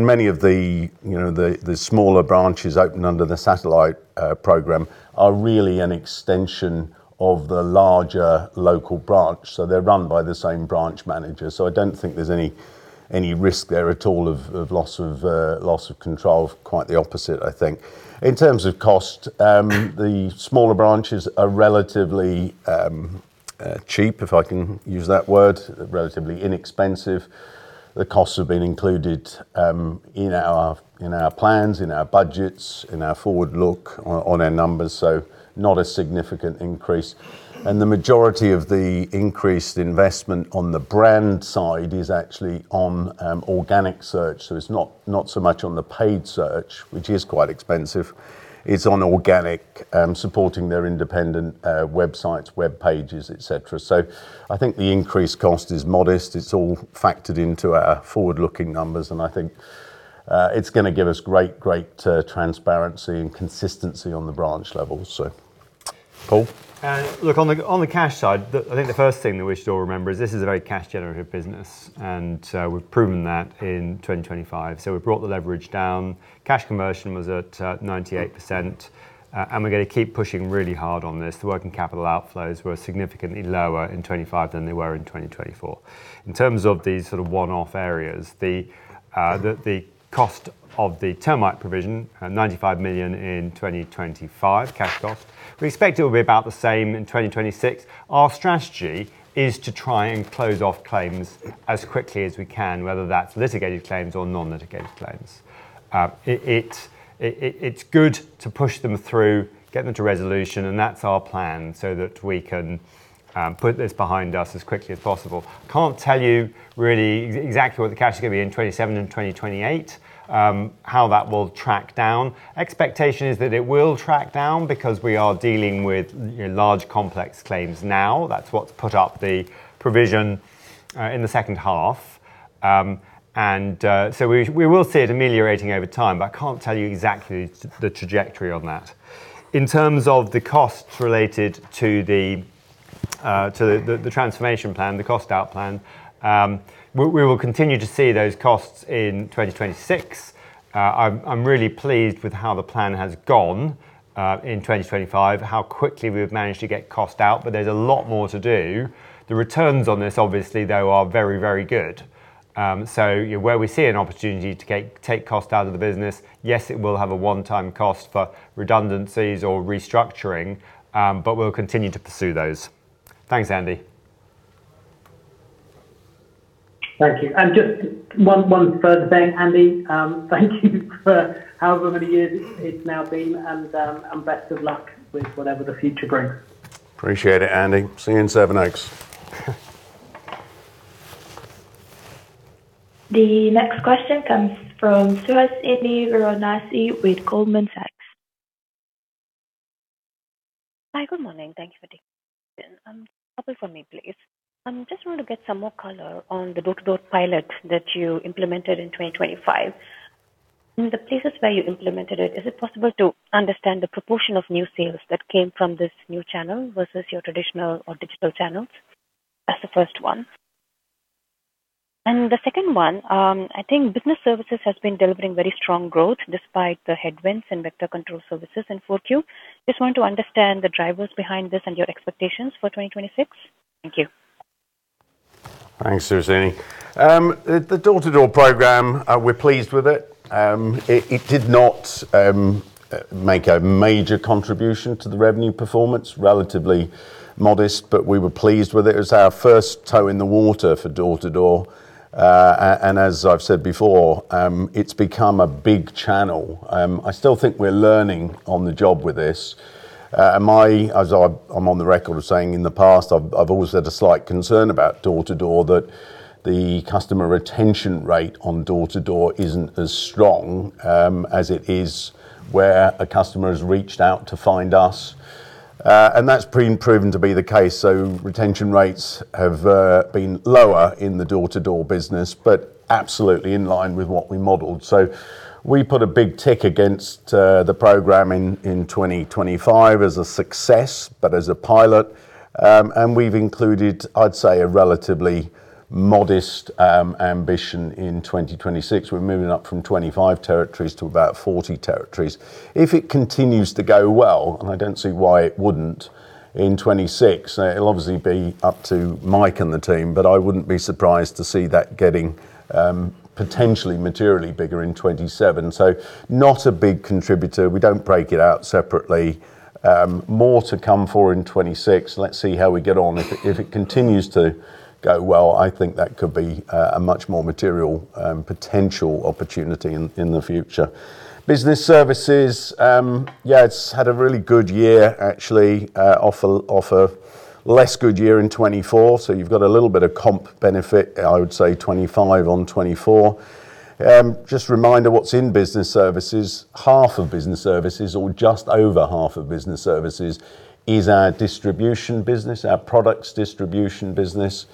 Many of the, you know, the smaller branches opened under the satellite program are really an extension of the larger local branch. They're run by the same branch manager. I don't think there's any risk there at all of loss of control. Quite the opposite, I think. In terms of cost, the smaller branches are relatively cheap, if I can use that word, relatively inexpensive. The costs have been included, in our, in our plans, in our budgets, in our forward look on our numbers. Not a significant increase. The majority of the increased investment on the brand side is actually on organic search. It's not so much on the paid search, which is quite expensive. It's on organic, supporting their independent websites, web pages, et cetera. I think the increased cost is modest. It's all factored into our forward-looking numbers. I think it's gonna give us great transparency and consistency on the branch level. Paul. Look, on the, on the cash side, I think the first thing that we should all remember is this is a very cash generative business, and we've proven that in 2025. We've brought the leverage down. Cash conversion was at 98%. We're gonna keep pushing really hard on this. The working capital outflows were significantly lower in 2025 than they were in 2024. In terms of these sort of one-off areas, the cost of the Termite provision, $95 million in 2025 cash costs, we expect it will be about the same in 2026. Our strategy is to try and close off claims as quickly as we can, whether that's litigated claims or non-litigated claims. It's good to push them through, get them to resolution, and that's our plan so that we can put this behind us as quickly as possible. Can't tell you really exactly what the cash is gonna be in 2027 and 2028, how that will track down. Expectation is that it will track down because we are dealing with, you know, large complex claims now. That's what's put up the provision in the second half. We will see it ameliorating over time, but I can't tell you exactly the trajectory on that. In terms of the costs related to the transformation plan, the cost out plan. We will continue to see those costs in 2026. I'm really pleased with how the plan has gone, in 2025, how quickly we've managed to get cost out. There's a lot more to do. The returns on this, obviously, though, are very, very good. Where we see an opportunity to take cost out of the business, yes, it will have a one-time cost for redundancies or restructuring. We'll continue to pursue those. Thanks, Andy. Thank you. Just one third thing, Andy. Thank you for however many years it's now been, and best of luck with whatever the future brings. Appreciate it, Andy. See you in Sevenoaks. The next question comes from Suhasini Varanasi with Goldman Sachs. Hi, good morning. Thank you for taking question. Couple for me, please. Just want to get some more color on the door-to-door pilot that you implemented in 2025. In the places where you implemented it, is it possible to understand the proportion of new sales that came from this new channel versus your traditional or digital channels? That's the first one. The second one, I think Business Services has been delivering very strong growth despite the headwinds in vector control services in 4Q. Just want to understand the drivers behind this and your expectations for 2026. Thank you. Thanks, Suhasini. The door-to-door program, we're pleased with it. It did not make a major contribution to the revenue performance. Relatively modest, but we were pleased with it. It was our first toe in the water for door-to-door. As I've said before, it's become a big channel. I still think we're learning on the job with this. As I'm on the record of saying in the past, I've always had a slight concern about door-to-door, that the customer retention rate on door-to-door isn't as strong as it is where a customer has reached out to find us. That's been proven to be the case. Retention rates have been lower in the door-to-door business, but absolutely in line with what we modeled. We put a big tick against the program in 2025 as a success, but as a pilot. We've included, I'd say, a relatively modest ambition in 2026. We're moving up from 25 territories to about 40 territories. If it continues to go well, and I don't see why it wouldn't, in 2026, it'll obviously be up to Mike and the team, but I wouldn't be surprised to see that getting potentially materially bigger in 2027. Not a big contributor. We don't break it out separately. More to come for in 2026. Let's see how we get on. If it continues to go well, I think that could be a much more material potential opportunity in the future. Business Services, it's had a really good year, actually, off a less good year in 2024. You've got a little bit of comp benefit, I would say 2025 on 2024. Just a reminder what's in Business Services. Half of Business Services or just over half of Business Services is our distribution business, our products distribution business,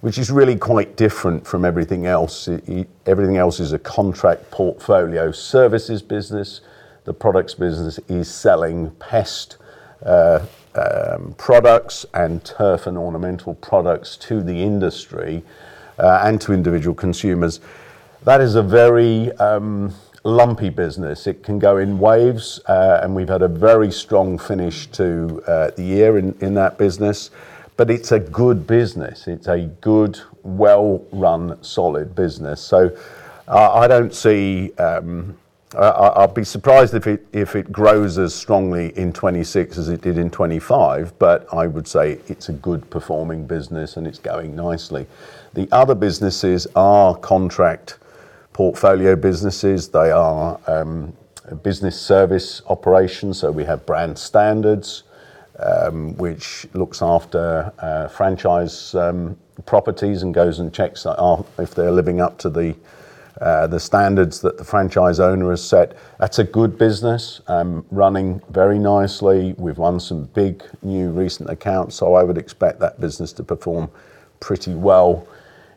which is really quite different from everything else. Everything else is a contract portfolio services business. The products business is selling pest products and turf and ornamental products to the industry and to individual consumers. That is a very lumpy business. It can go in waves, and we've had a very strong finish to the year in that business. It's a good business. It's a good, well-run, solid business. I don't see. I'll be surprised if it grows as strongly in 2026 as it did in 2025, but I would say it's a good performing business and it's going nicely. The other businesses are contract portfolio businesses. They are business service operations. We have brand standards which looks after franchise properties and goes and checks if they're living up to the standards that the franchise owner has set. That's a good business, running very nicely. We've won some big new recent accounts. I would expect that business to perform pretty well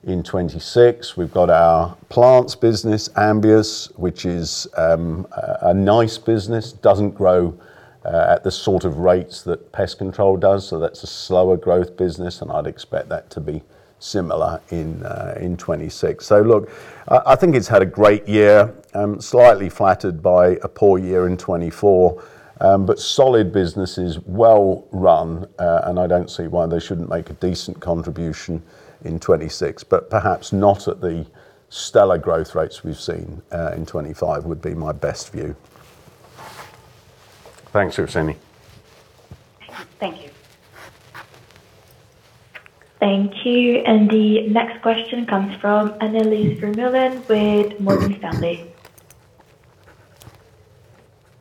in 2026. We've got our plants business, Ambius, which is a nice business. Doesn't grow at the sort of rates that Pest Control Services does, so that's a slower growth business, and I'd expect that to be similar in 2026. Look, I think it's had a great year, slightly flattered by a poor year in 2024. But solid businesses, well-run, and I don't see why they shouldn't make a decent contribution in 2026, but perhaps not at the stellar growth rates we've seen in 2025 would be my best view. Thanks, Suhasini. Thank you. Thank you. The next question comes from Annelies Vermeulen with Morgan Stanley.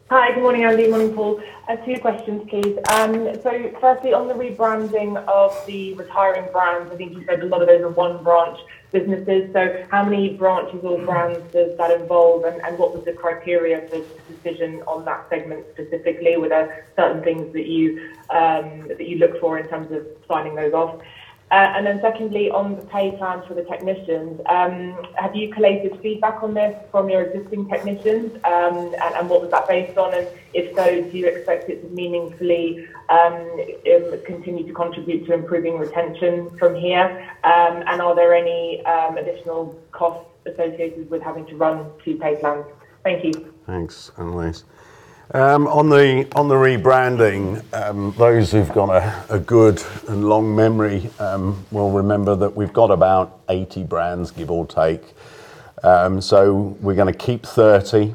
Hi, good morning, Andy. Morning, Paul. I have two questions, please. Firstly, on the rebranding of the retiring brands, I think you said a lot of those are one branch businesses. How many branches or brands does that involve? What was the criteria for the decision on that segment specifically? Were there certain things that you that you look for in terms of signing those off? Secondly, on the pay plans for the technicians, have you collated feedback on this from your existing technicians? What was that based on? If so, do you expect it to meaningfully continue to contribute to improving retention from here? Are there any additional costs associated with having to run two pay plans? Thank you. Thanks, Annelies. On the rebranding, those who've got a good and long memory will remember that we've got about 80 brands, give or take. We're gonna keep 30.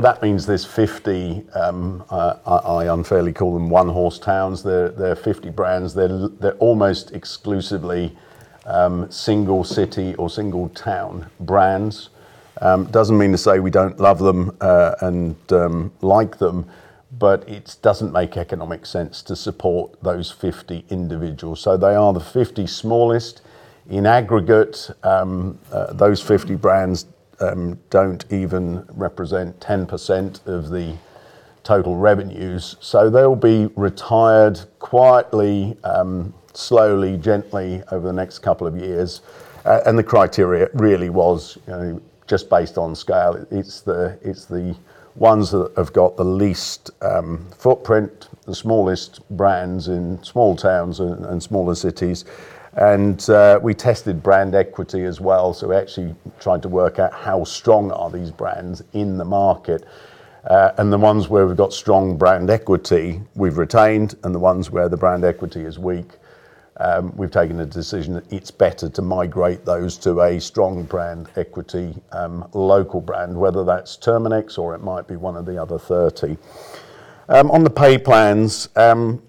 That means there's 50, I unfairly call them one-horse towns. They're 50 brands. They're almost exclusively single city or single town brands. Doesn't mean to say we don't love them and like them, but it doesn't make economic sense to support those 50 individuals. They are the 50 smallest. In aggregate, those 50 brands don't even represent 10% of the total revenues. They'll be retired quietly, slowly, gently over the next couple of years. The criteria really was, you know, just based on scale. It's the ones that have got the least footprint, the smallest brands in small towns and smaller cities. We tested brand equity as well. We actually tried to work out how strong are these brands in the market. The ones where we've got strong brand equity, we've retained, and the ones where the brand equity is weak, we've taken a decision that it's better to migrate those to a strong brand equity local brand, whether that's Terminix or it might be one of the other 30. On the pay plans, no,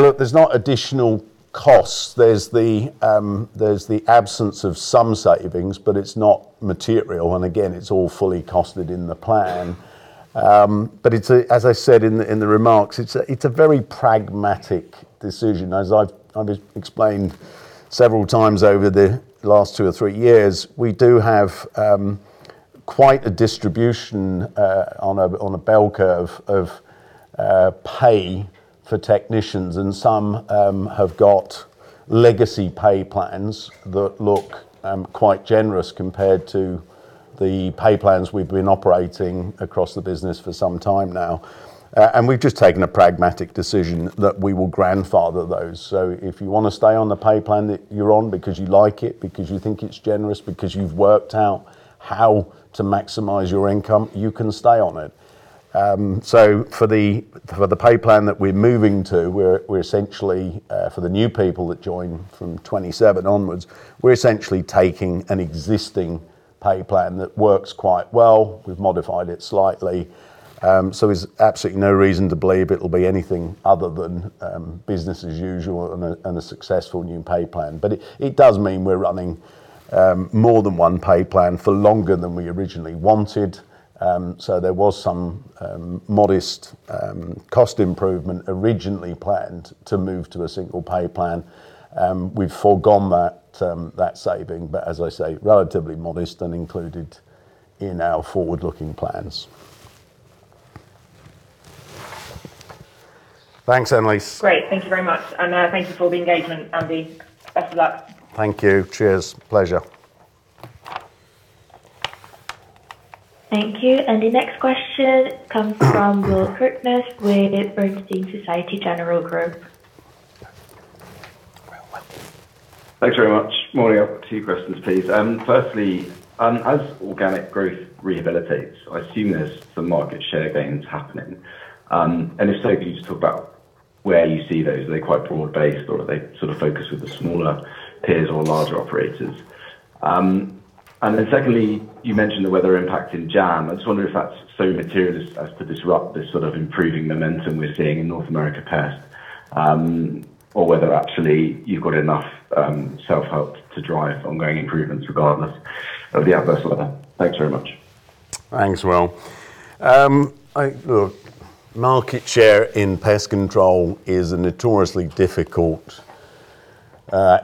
look, there's not additional costs. There's the absence of some savings, but it's not material. Again, it's all fully costed in the plan. As I said in the remarks, it's a very pragmatic decision. As I've explained several times over the last two or three years, we do have quite a distribution on a bell curve of pay for technicians, and some have got legacy pay plans that look quite generous compared to the pay plans we've been operating across the business for some time now. We've just taken a pragmatic decision that we will grandfather those. If you wanna stay on the pay plan that you're on because you like it, because you think it's generous, because you've worked out how to maximize your income, you can stay on it. For the pay plan that we're moving to, we're essentially for the new people that join from 2027 onwards, we're essentially taking an existing pay plan that works quite well. We've modified it slightly. There's absolutely no reason to believe it'll be anything other than business as usual and a successful new pay plan. It does mean we're running more than one pay plan for longer than we originally wanted. There was some modest cost improvement originally planned to move to a single pay plan. We've forgone that saving, but as I say, relatively modest and included in our forward-looking plans. Thanks, Annelies. Great. Thank you very much. Thank you for the engagement, Andy. Best of luck. Thank you. Cheers. Pleasure. Thank you. The next question comes from William Bernstein with Bernstein Societe Generale Group. Thanks very much. Morning. I've got two questions, please. Firstly, as organic growth rehabilitates, I assume there's some market share gains happening. If so, can you just talk about where you see those? Are they quite broad-based or are they sort of focused with the smaller peers or larger operators? Secondly, you mentioned the weather impact in January. I just wonder if that's so material as to disrupt this sort of improving momentum we're seeing in North America Pest, or whether actually you've got enough self-help to drive ongoing improvements regardless of the adverse weather. Thanks very much. Thanks, Will. Look, market share in pest control is a notoriously difficult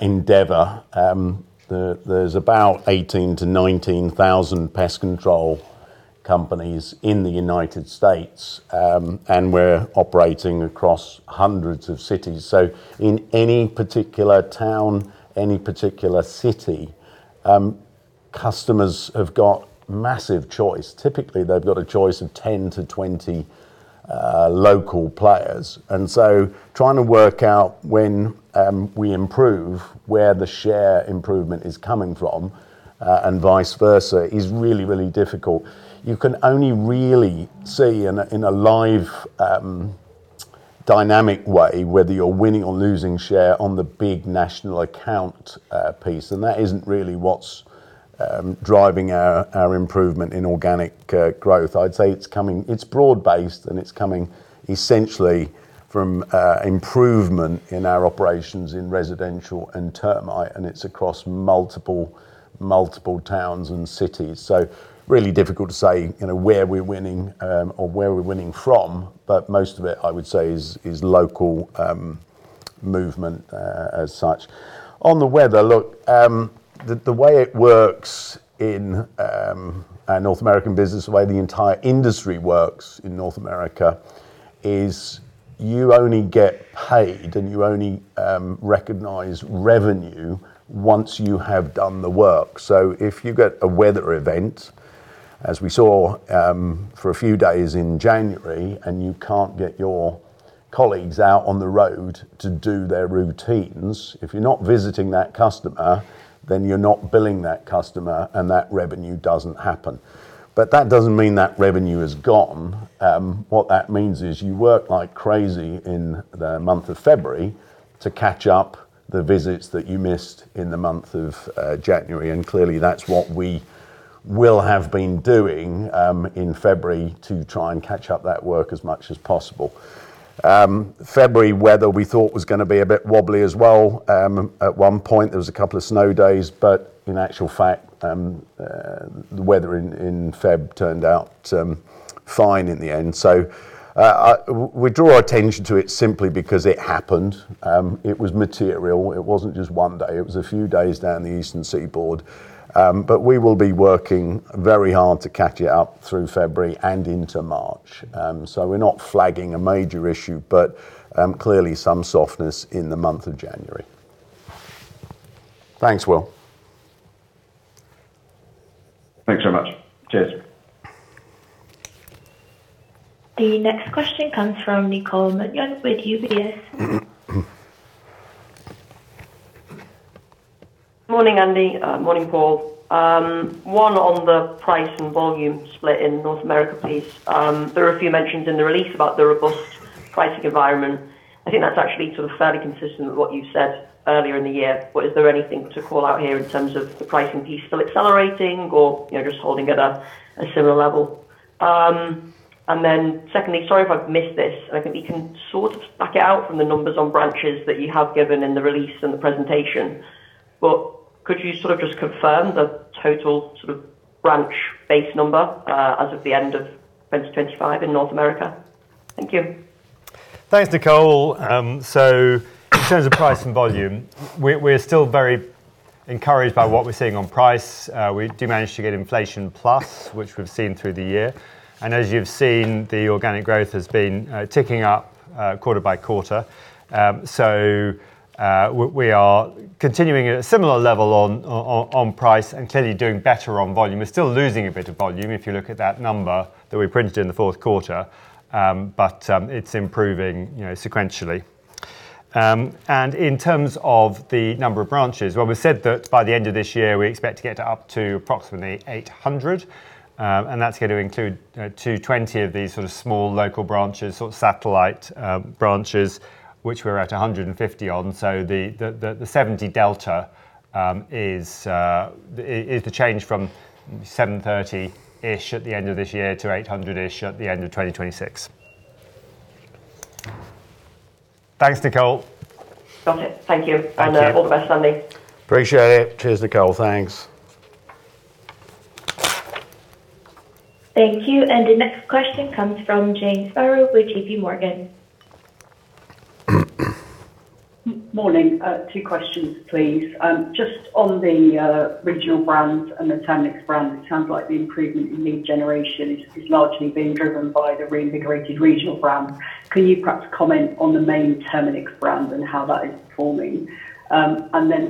endeavor. There's about 18,000-19,000 pest control companies in the United States, and we're operating across hundreds of cities. In any particular town, any particular city, customers have got massive choice. Typically, they've got a choice of 10-20 local players. Trying to work out when we improve, where the share improvement is coming from, and vice versa is really, really difficult. You can only really see in a live, dynamic way whether you're winning or losing share on the big national account piece. That isn't really what's driving our improvement in organic growth. I'd say it's broad based, and it's coming essentially from improvement in our operations in residential and termite, and it's across multiple towns and cities. Really difficult to say, you know, where we're winning, or where we're winning from, but most of it, I would say, is local movement as such. On the weather, look, the way it works in our North American business, the way the entire industry works in North America is you only get paid, and you only recognize revenue once you have done the work. If you get a weather event, as we saw for a few days in January, and you can't get your colleagues out on the road to do their routines, if you're not visiting that customer, then you're not billing that customer, and that revenue doesn't happen. That doesn't mean that revenue is gone. What that means is you work like crazy in the month of February to catch up the visits that you missed in the month of January. Clearly, that's what we will have been doing in February to try and catch up that work as much as possible. February weather we thought was gonna be a bit wobbly as well. At one point, there was a couple of snow days, in actual fact, the weather in Feb turned out fine in the end. We draw attention to it simply because it happened. It was material. It wasn't just one day. It was a few days down the Eastern Seaboard. We will be working very hard to catch it up through February and into March. We're not flagging a major issue, but clearly some softness in the month of January. Thanks, Will. Thanks so much. Cheers. The next question comes from Nicole Manion with UBS. Morning, Andy. Morning, Paul. One on the price and volume split in North America, please. There are a few mentions in the release about the robust pricing environment. I think that's actually sort of fairly consistent with what you said earlier in the year. Is there anything to call out here in terms of the pricing piece still accelerating or, you know, just holding at a similar level? Secondly, sorry if I've missed this, and I think we can sort of back out from the numbers on branches that you have given in the release and the presentation. Could you sort of just confirm the total sort of branch base number, as of the end of 2025 in North America? Thank you. Thanks, Nicole. In terms of price and volume, we're still very encouraged by what we're seeing on price. We do manage to get inflation plus, which we've seen through the year. As you've seen, the organic growth has been ticking up quarter by quarter. We are continuing at a similar level on price and clearly doing better on volume. We're still losing a bit of volume if you look at that number that we printed in the fourth quarter, it's improving, you know, sequentially. In terms of the number of branches, well, we said that by the end of this year, we expect to get up to approximately 800, and that's going to include 220 of these sort of smal l local branches, sort of satellite branches, which we're at 150 on. The 70 delta is the change from 730-ish at the end of this year to 800-ish at the end of 2026. Thanks, Nicole. Got it. Thank you. Thank you. All the best, Andy. Appreciate it. Cheers, Nicole. Thanks. Thank you. The next question comes from Jane Sparrow with JPMorgan. Morning. Two questions, please. Just on the regional brands and the Terminix brand, it sounds like the improvement in lead generation is largely being driven by the reinvigorated regional brand. Can you perhaps comment on the main Terminix brand and how that is performing?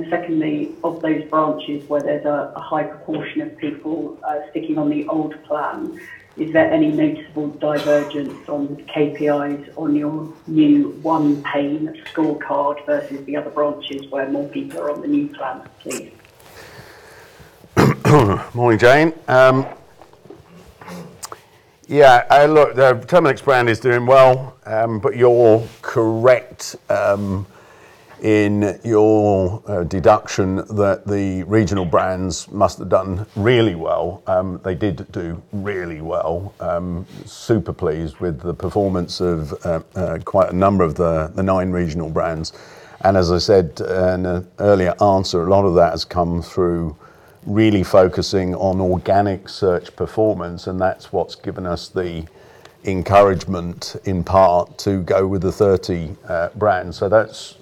Secondly, of those branches where there's a high proportion of people sticking on the old plan, is there any noticeable divergence on KPIs on your new on-page scorecard versus the other branches where more people are on the new plan, please? Morning, Jane. Yeah. Look, the Terminix brand is doing well, but you're correct in your deduction that the regional brands must have done really well. They did do really well. Super pleased with the performance of quite a number of the nine regional brands. As I said in an earlier answer, a lot of that has come through really focusing on organic search performance, and that's what's given us the encouragement in part to go with the 30 brands. That's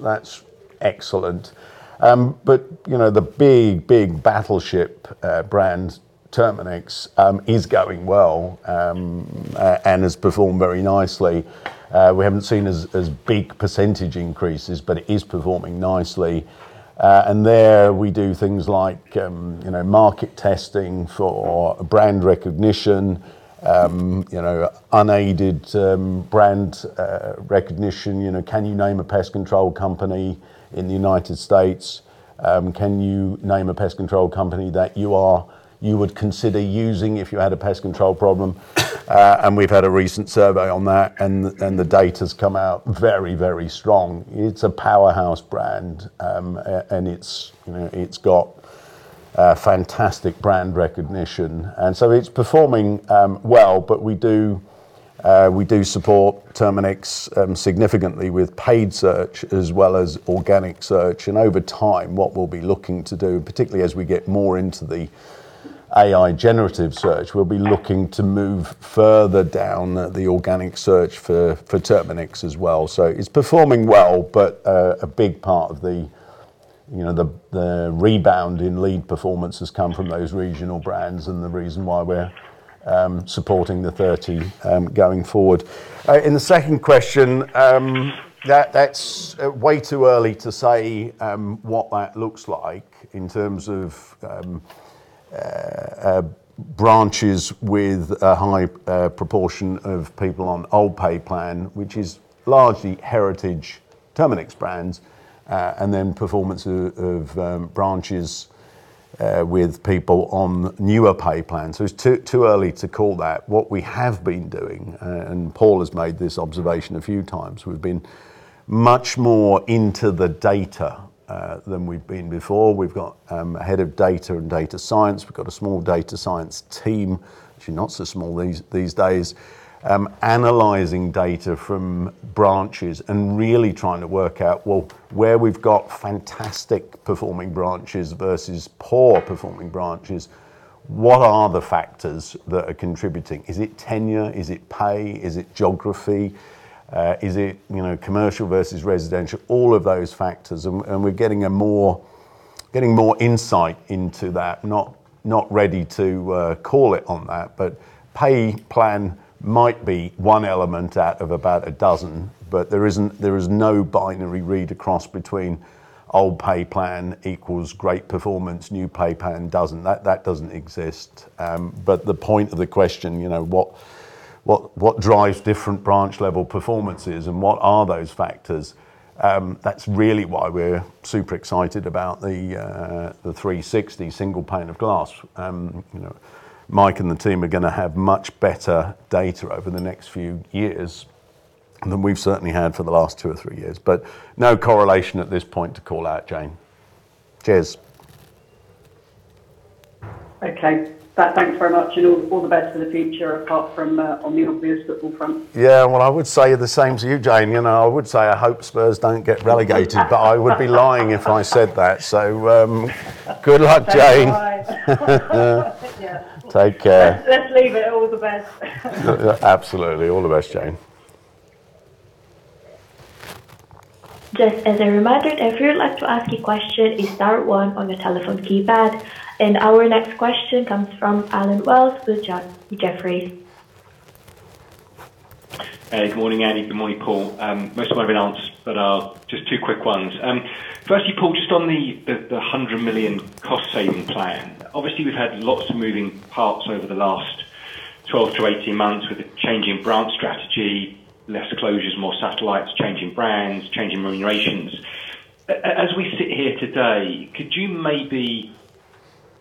excellent. You know, the big, big battleship brand, Terminix, is going well and has performed very nicely. We haven't seen as big percentage increases, but it is performing nicely. There we do things like, you know, market testing for brand recognition, you know, unaided brand recognition. You know, can you name a pest control company in the United States? Can you name a pest control company that you would consider using if you had a pest control problem? We've had a recent survey on that, and the data's come out very, very strong. It's a powerhouse brand, and it's, you know, it's got fantastic brand recognition. It's performing well, but we do support Terminix significantly with paid search as well as organic search. Over time, what we'll be looking to do, particularly as we get more into the AI generative search, we'll be looking to move further down the organic search for Terminix as well. It's performing well, but a big part of the you know, the rebound in lead performance has come from those regional brands and the reason why we're supporting the 30 going forward. In the second question, that's way too early to say what that looks like in terms of branches with a high proportion of people on old pay plan, which is largely heritage Terminix brands, and then performance of branches with people on newer pay plans. It's too early to call that. What we have been doing, and Paul has made this observation a few times, we've been much more into the data than we've been before. We've got a head of data and data science. We've got a small data science team, actually not so small these days, analyzing data from branches and really trying to work out, well, where we've got fantastic performing branches versus poor performing branches, what are the factors that are contributing? Is it tenure? Is it pay? Is it geography? Is it, you know, commercial versus residential? All of those factors and we're getting more insight into that. Not ready to call it on that, but pay plan might be one element out of about a dozen. There isn't there is no binary read across between old pay plan equals great performance, new pay plan doesn't. That, that doesn't exist. The point of the question, you know, what, what drives different branch level performances and what are those factors, that's really why we're super excited about the 360 single pane of glass. You know, Mike and the team are gonna have much better data over the next few years than we've certainly had for the last two or three years. No correlation at this point to call out, Jane. Cheers. Okay. Ta. Thanks very much. All the best for the future, apart from on the obvious football front. Well, I would say the same to you, Jane. You know, I would say I hope Spurs don't get relegated, but I would be lying if I said that. Good luck, Jane. Thanks. Bye. Yeah. Take care. Let's leave it. All the best. Absolutely. All the best, Jane. Just as a reminder, if you'd like to ask a question, hit star one on your telephone keypad. Our next question comes from Allen Wells with Jefferies. Hey, good morning, Andy. Good morning, Paul. Most have been answered, just two quick ones. Firstly, Paul, just on the $100 million cost saving plan. Obviously, we've had lots of moving parts over the last 12 months-18 months with the changing branch strategy, lesser closures, more satellites, changing brands, changing remunerations. As we sit here today, could you maybe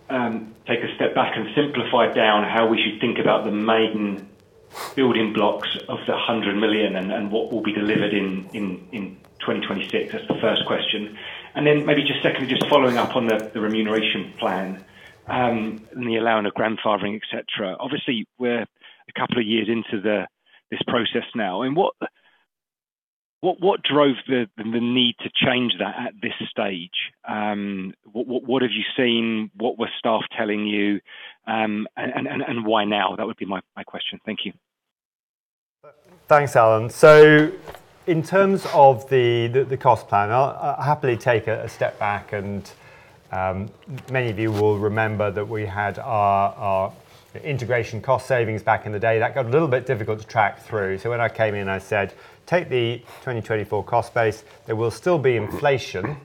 take a step back and simplify down how we should think about the maiden building blocks of the $100 million and what will be delivered in 2026? That's the first question. Maybe just secondly, just following up on the remuneration plan and the allowing of grandfathering, et cetera. Obviously, we're a couple of years into this process now. What drove the need to change that at this stage? What have you seen? What were staff telling you? Why now? That would be my question. Thank you. Thanks, Allen. In terms of the, the cost plan, I'll happily take a step back and many of you will remember that we had our integration cost savings back in the day. That got a little bit difficult to track through. When I came in, I said, "Take the 2024 cost base. There will still be inflation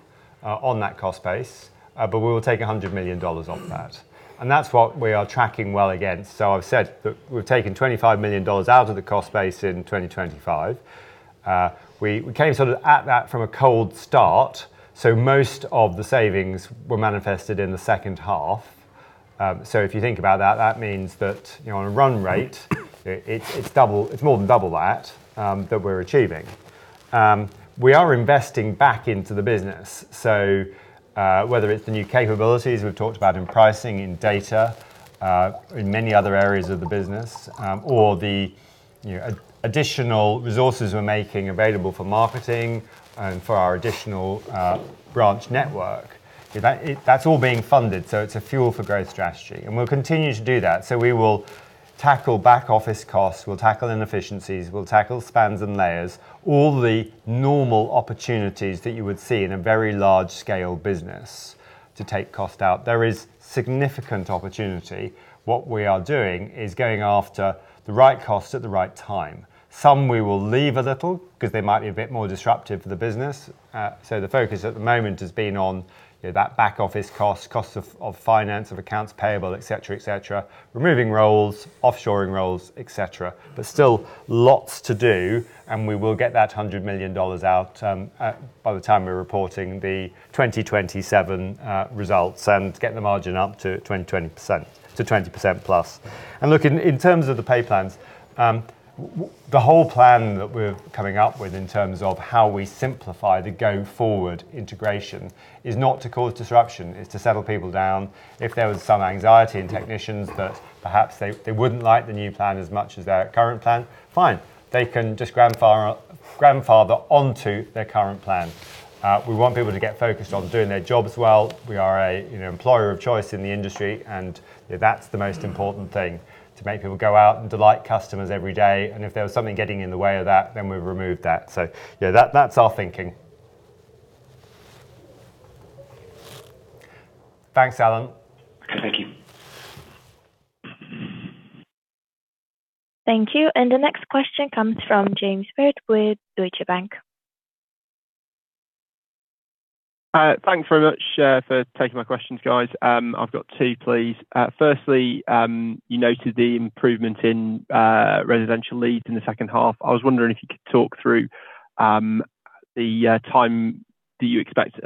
on that cost base, but we will take $100 million off that." That's what we are tracking well against. I've said that we've taken $25 million out of the cost base in 2025. We, we came sort of at that from a cold start, so most of the savings were manifested in the second half. If you think about that means that, you know, on a run rate, it's more than double that we're achieving. We are investing back into the business. Whether it's the new capabilities we've talked about in pricing, in data, in many other areas of the business, or the, you know, additional resources we're making available for marketing and for our additional branch network, that's all being funded, so it's a fuel for growth strategy. We'll continue to do that. We will tackle back-office costs, we'll tackle inefficiencies, we'll tackle spans and layers, all the normal opportunities that you would see in a very large scale business to take cost out. There is significant opportunity. What we are doing is going after the right cost at the right time. Some we will leave a little because they might be a bit more disruptive for the business. The focus at the moment has been on, you know, that back office cost of finance, of accounts payable, et cetera, et cetera. Removing roles, offshoring roles, et cetera. Still lots to do, and we will get that $100 million out by the time we're reporting the 2027 results and get the margin up to 20%-20%+. Look, in terms of the pay plans, the whole plan that we're coming up with in terms of how we simplify the go-forward integration is not to cause disruption. It's to settle people down. If there was some anxiety in technicians that perhaps they wouldn't like the new plan as much as their current plan, fine. They can just grandfather onto their current plan. We want people to get focused on doing their jobs well. We are a, you know, employer of choice in the industry, and that's the most important thing, to make people go out and delight customers every day. If there was something getting in the way of that, then we've removed that. Yeah, that's our thinking. Thanks, Allen. Okay, thank you. Thank you. The next question comes from James Smith with Deutsche Bank. Thanks very much for taking my questions, guys. I've got two, please. Firstly, you noted the improvement in residential leads in the second half. I was wondering if you could talk through the time that you expect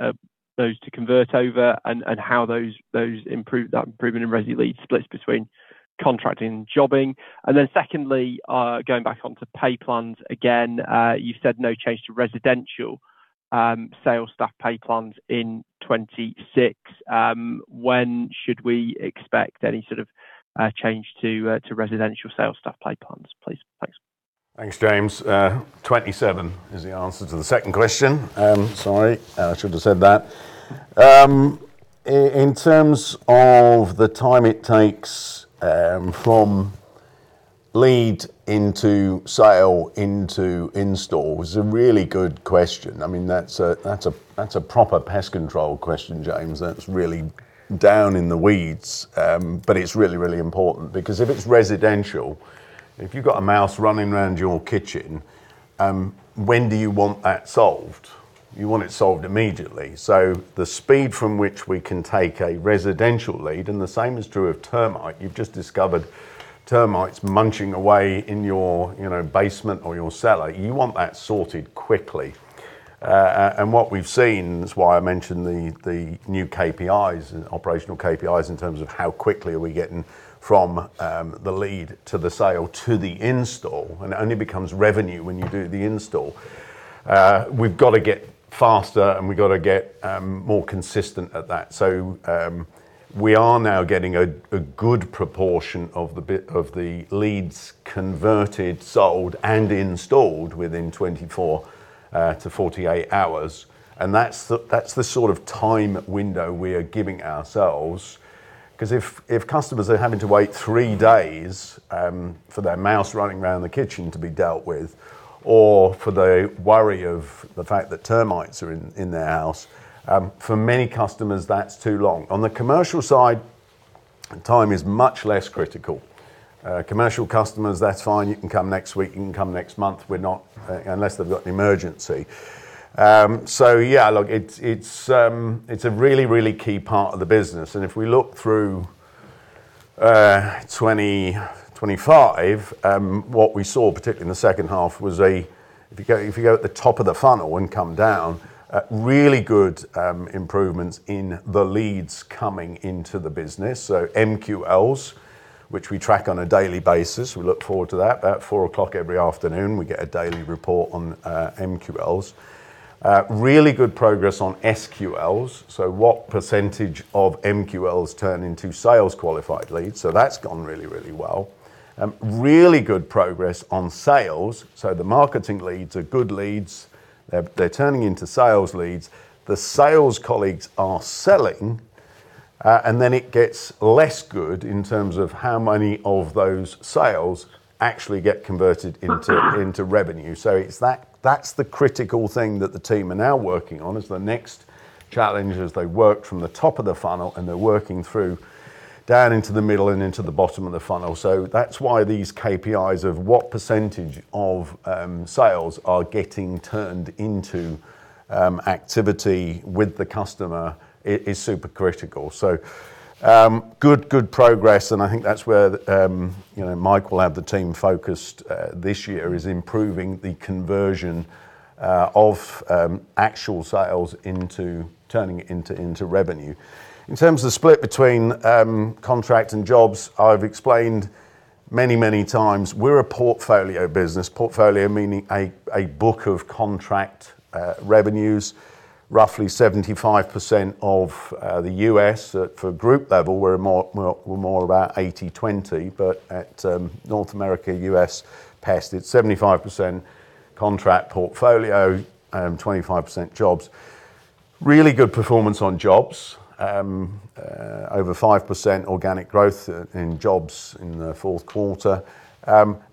those to convert over and how that improvement in resi leads splits between contract and jobbing. Secondly, going back onto pay plans again, you said no change to residential sales staff pay plans in 2026. When should we expect any sort of change to residential sales staff pay plans, please? Thanks. Thanks, James. 2027 is the answer to the second question. Sorry, I should have said that. In terms of the time it takes, from lead into sale into install was a really good question. I mean, that's a proper pest control question, James. That's really down in the weeds, but it's really, really important because if it's residential, if you've got a mouse running around your kitchen, when do you want that solved? You want it solved immediately. The speed from which we can take a residential lead, and the same is true of termite. You've just discovered termites munching away in your, you know, basement or your cellar. You want that sorted quickly. What we've seen, that's why I mentioned the new KPIs, operational KPIs in terms of how quickly are we getting from the lead to the sale to the install. It only becomes revenue when you do the install. We've got to get faster, we've got to get more consistent at that. We are now getting a good proportion of the leads converted, sold, and installed within 24 hours-48 hours. That's the, that's the sort of time window we are giving ourselves, 'cause if customers are having to wait three days for their mouse running around the kitchen to be dealt with, or for the worry of the fact that termites are in their house, for many customers, that's too long. On the commercial side, time is much less critical. Commercial customers, that's fine. You can come next week, you can come next month. We're not, unless they've got an emergency. Yeah, look, it's a really, really key part of the business. If we look through 2025, what we saw, particularly in the second half, was if you go at the top of the funnel and come down, really good improvements in the leads coming into the business. MQLs, which we track on a daily basis. We look forward to that. About 4:00 every afternoon, we get a daily report on MQLs. Really good progress on SQLs, so what percentage of MQLs turn into sales qualified leads. That's gone really, really well. Really good progress on sales. The marketing leads are good leads. They're turning into sales leads. The sales colleagues are selling, and then it gets less good in terms of how many of those sales actually get converted into revenue. That's the critical thing that the team are now working on, is the next challenge as they work from the top of the funnel, they're working through down into the middle and into the bottom of the funnel. That's why these KPIs of what percent of sales are getting turned into activity with the customer is super critical. Good progress, and I think that's where the, you know, Mike will have the team focused this year, is improving the conversion of actual sales into turning it into revenue. In terms of split between contract and jobs, I've explained many times, we're a portfolio business. Portfolio meaning a book of contract revenues. Roughly 75% of the U.S. At the group level, we're more about 80/20, but at North America, U.S. Pest, it's 75% contract portfolio, 25% jobs. Really good performance on jobs. Over 5% organic growth in jobs in the fourth quarter,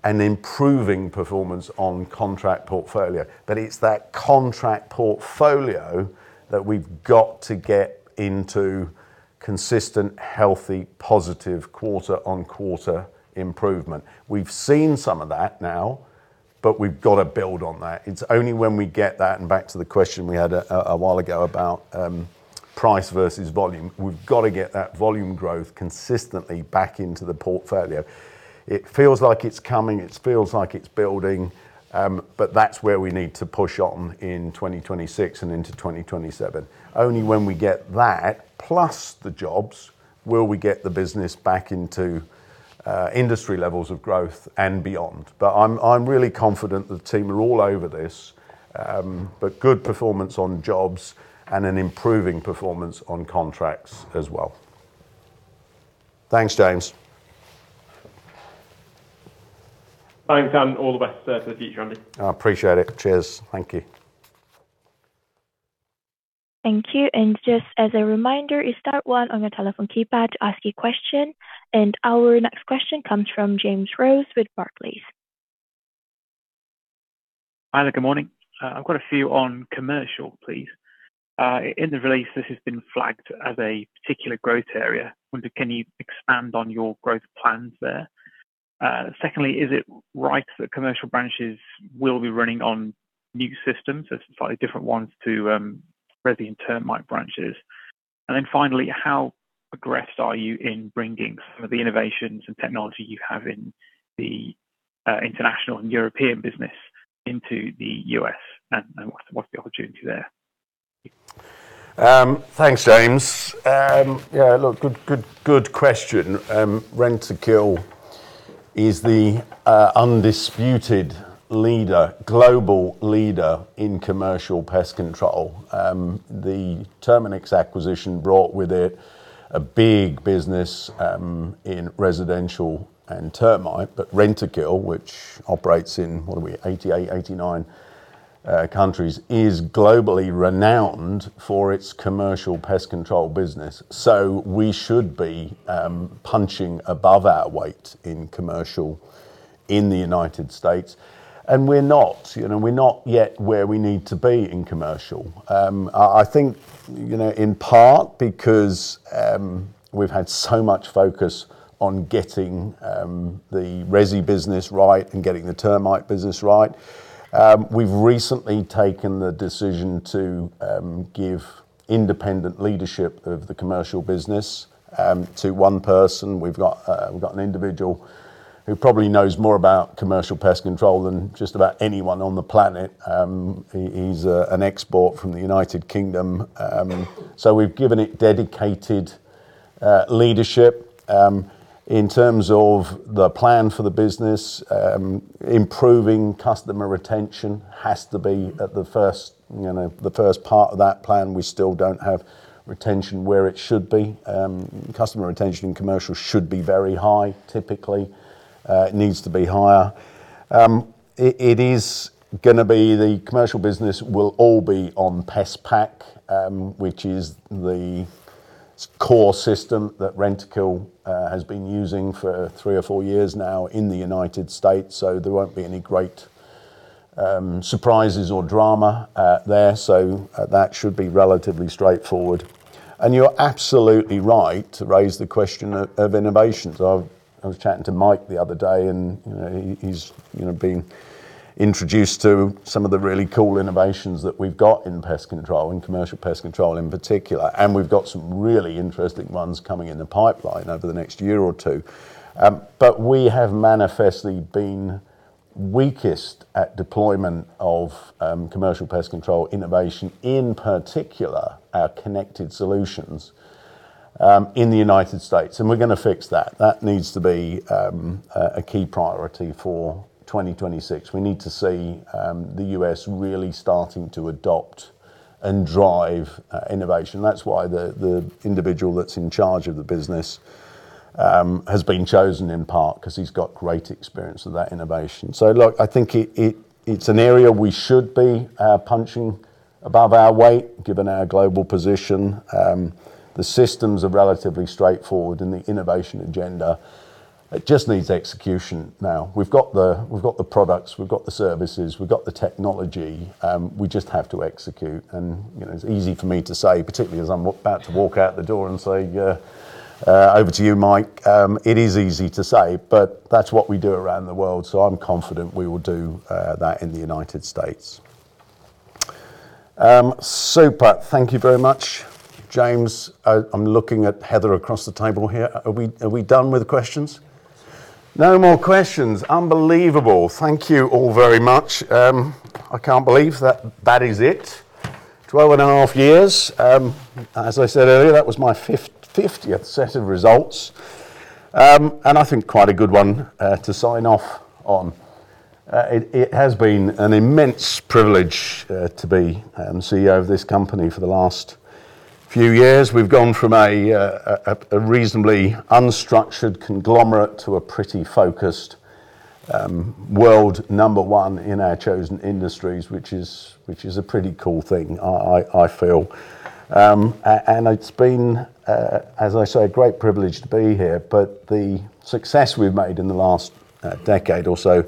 improving performance on contract portfolio. It's that contract portfolio that we've got to get into consistent, healthy, positive quarter-on-quarter improvement. We've seen some of that now, but we've got to build on that. It's only when we get that, and back to the question we had a while ago about price versus volume. We've got to get that volume growth consistently back into the portfolio. It feels like it's coming. It feels like it's building, that's where we need to push on in 2026 and into 2027. Only when we get that, plus the jobs, will we get the business back into industry levels of growth and beyond. I'm really confident the team are all over this. Good performance on jobs and an improving performance on contracts as well. Thanks, James. Thanks, and all the best, for the future, Andy. I appreciate it. Cheers. Thank you. Thank you. Just as a reminder, you star one on your telephone keypad to ask a question. Our next question comes from James Rose with Barclays. Hi there. Good morning. I've got a few on commercial, please. In the release, this has been flagged as a particular growth area. Wonder, can you expand on your growth plans there? Secondly, is it right that commercial branches will be running on new systems, so slightly different ones to Resi and Terminix branches? Finally, how aggressed are you in bringing some of the innovations and technology you have in the international and European business into the U.S., what's the opportunity there? Thanks, James. Yeah, look, good, good question. Rentokil is the undisputed leader, global leader in commercial pest control. The Terminix acquisition brought with it a big business in residential and termite. Rentokil, which operates in, what are we? 88, 89 countries, is globally renowned for its commercial pest control business. We should be punching above our weight in commercial in the United States. We're not, you know. We're not yet where we need to be in commercial. I think, you know, in part, because we've had so much focus on getting the Resi business right and getting the termite business right, we've recently taken the decision to give independent leadership of the commercial business to one person. We've got an individual who probably knows more about commercial pest control than just about anyone on the planet. He's an export from the United Kingdom. We've given it dedicated leadership. In terms of the plan for the business, improving customer retention has to be at the first, you know, the first part of that plan. We still don't have retention where it should be. Customer retention in commercial should be very high, typically. It needs to be higher. It is gonna be the commercial business will all be on PestPak, which is the core system that Rentokil has been using for three or four years now in the United States. There won't be any great surprises or drama there. That should be relatively straightforward. You're absolutely right to raise the question of innovations. I was chatting to Mike the other day, and you know, he's, you know, being introduced to some of the really cool innovations that we've got in pest control, in commercial pest control in particular. We've got some really interesting ones coming in the pipeline over the next year or two. We have manifestly been weakest at deployment of commercial pest control innovation, in particular our connected solutions in the United States. We're gonna fix that. That needs to be a key priority for 2026. We need to see the U.S. really starting to adopt and drive innovation. That's why the individual that's in charge of the business has been chosen in part 'cause he's got great experience of that innovation. Look, I think it's an area we should be punching above our weight, given our global position. The systems are relatively straightforward and the innovation agenda, it just needs execution now. We've got the products, we've got the services, we've got the technology. We just have to execute. You know, it's easy for me to say, particularly as I'm about to walk out the door and say, "Over to you, Mike." It is easy to say, but that's what we do around the world, so I'm confident we will do that in the United States. Super. Thank you very much. James, I'm looking at Heather across the table here. Are we, are we done with the questions? No more questions. Unbelievable. Thank you all very much. I can't believe that that is it. 12.5 years. As I said earlier, that was my fiftieth set of results, and I think quite a good one to sign off on. It has been an immense privilege to be CEO of this company for the last few years. We've gone from a reasonably unstructured conglomerate to a pretty focused world number one in our chosen industries, which is a pretty cool thing, I feel. It's been, as I say, a great privilege to be here, but the success we've made in the last decade or so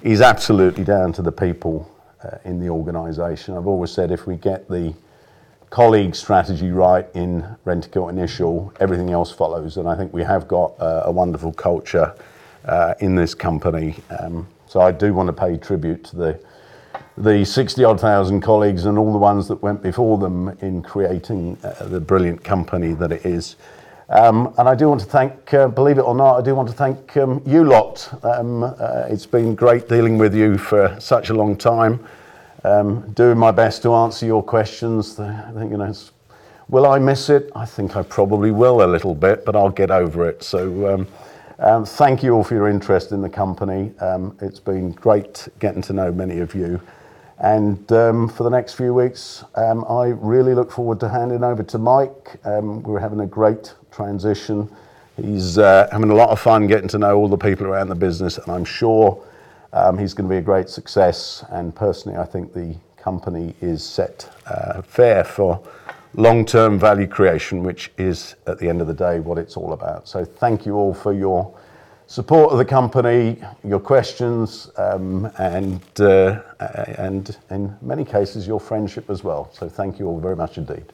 is absolutely down to the people in the organization. I've always said, if we get the colleague strategy right in Rentokil Initial, everything else follows. I think we have got a wonderful culture in this company. I do wanna pay tribute to the 60,000 odd colleagues and all the ones that went before them in creating the brilliant company that it is. I do want to thank, believe it or not, I do want to thank you lot. It's been great dealing with you for such a long time. Doing my best to answer your questions. I think, you know. Will I miss it? I think I probably will a little bit, but I'll get over it. Thank you all for your interest in the company. It's been great getting to know many of you. For the next few weeks, I really look forward to handing over to Mike. We're having a great transition. He's having a lot of fun getting to know all the people around the business, and I'm sure he's gonna be a great success. Personally, I think the company is set fair for long-term value creation, which is, at the end of the day, what it's all about. Thank you all for your support of the company, your questions, and in many cases, your friendship as well. Thank you all very much indeed.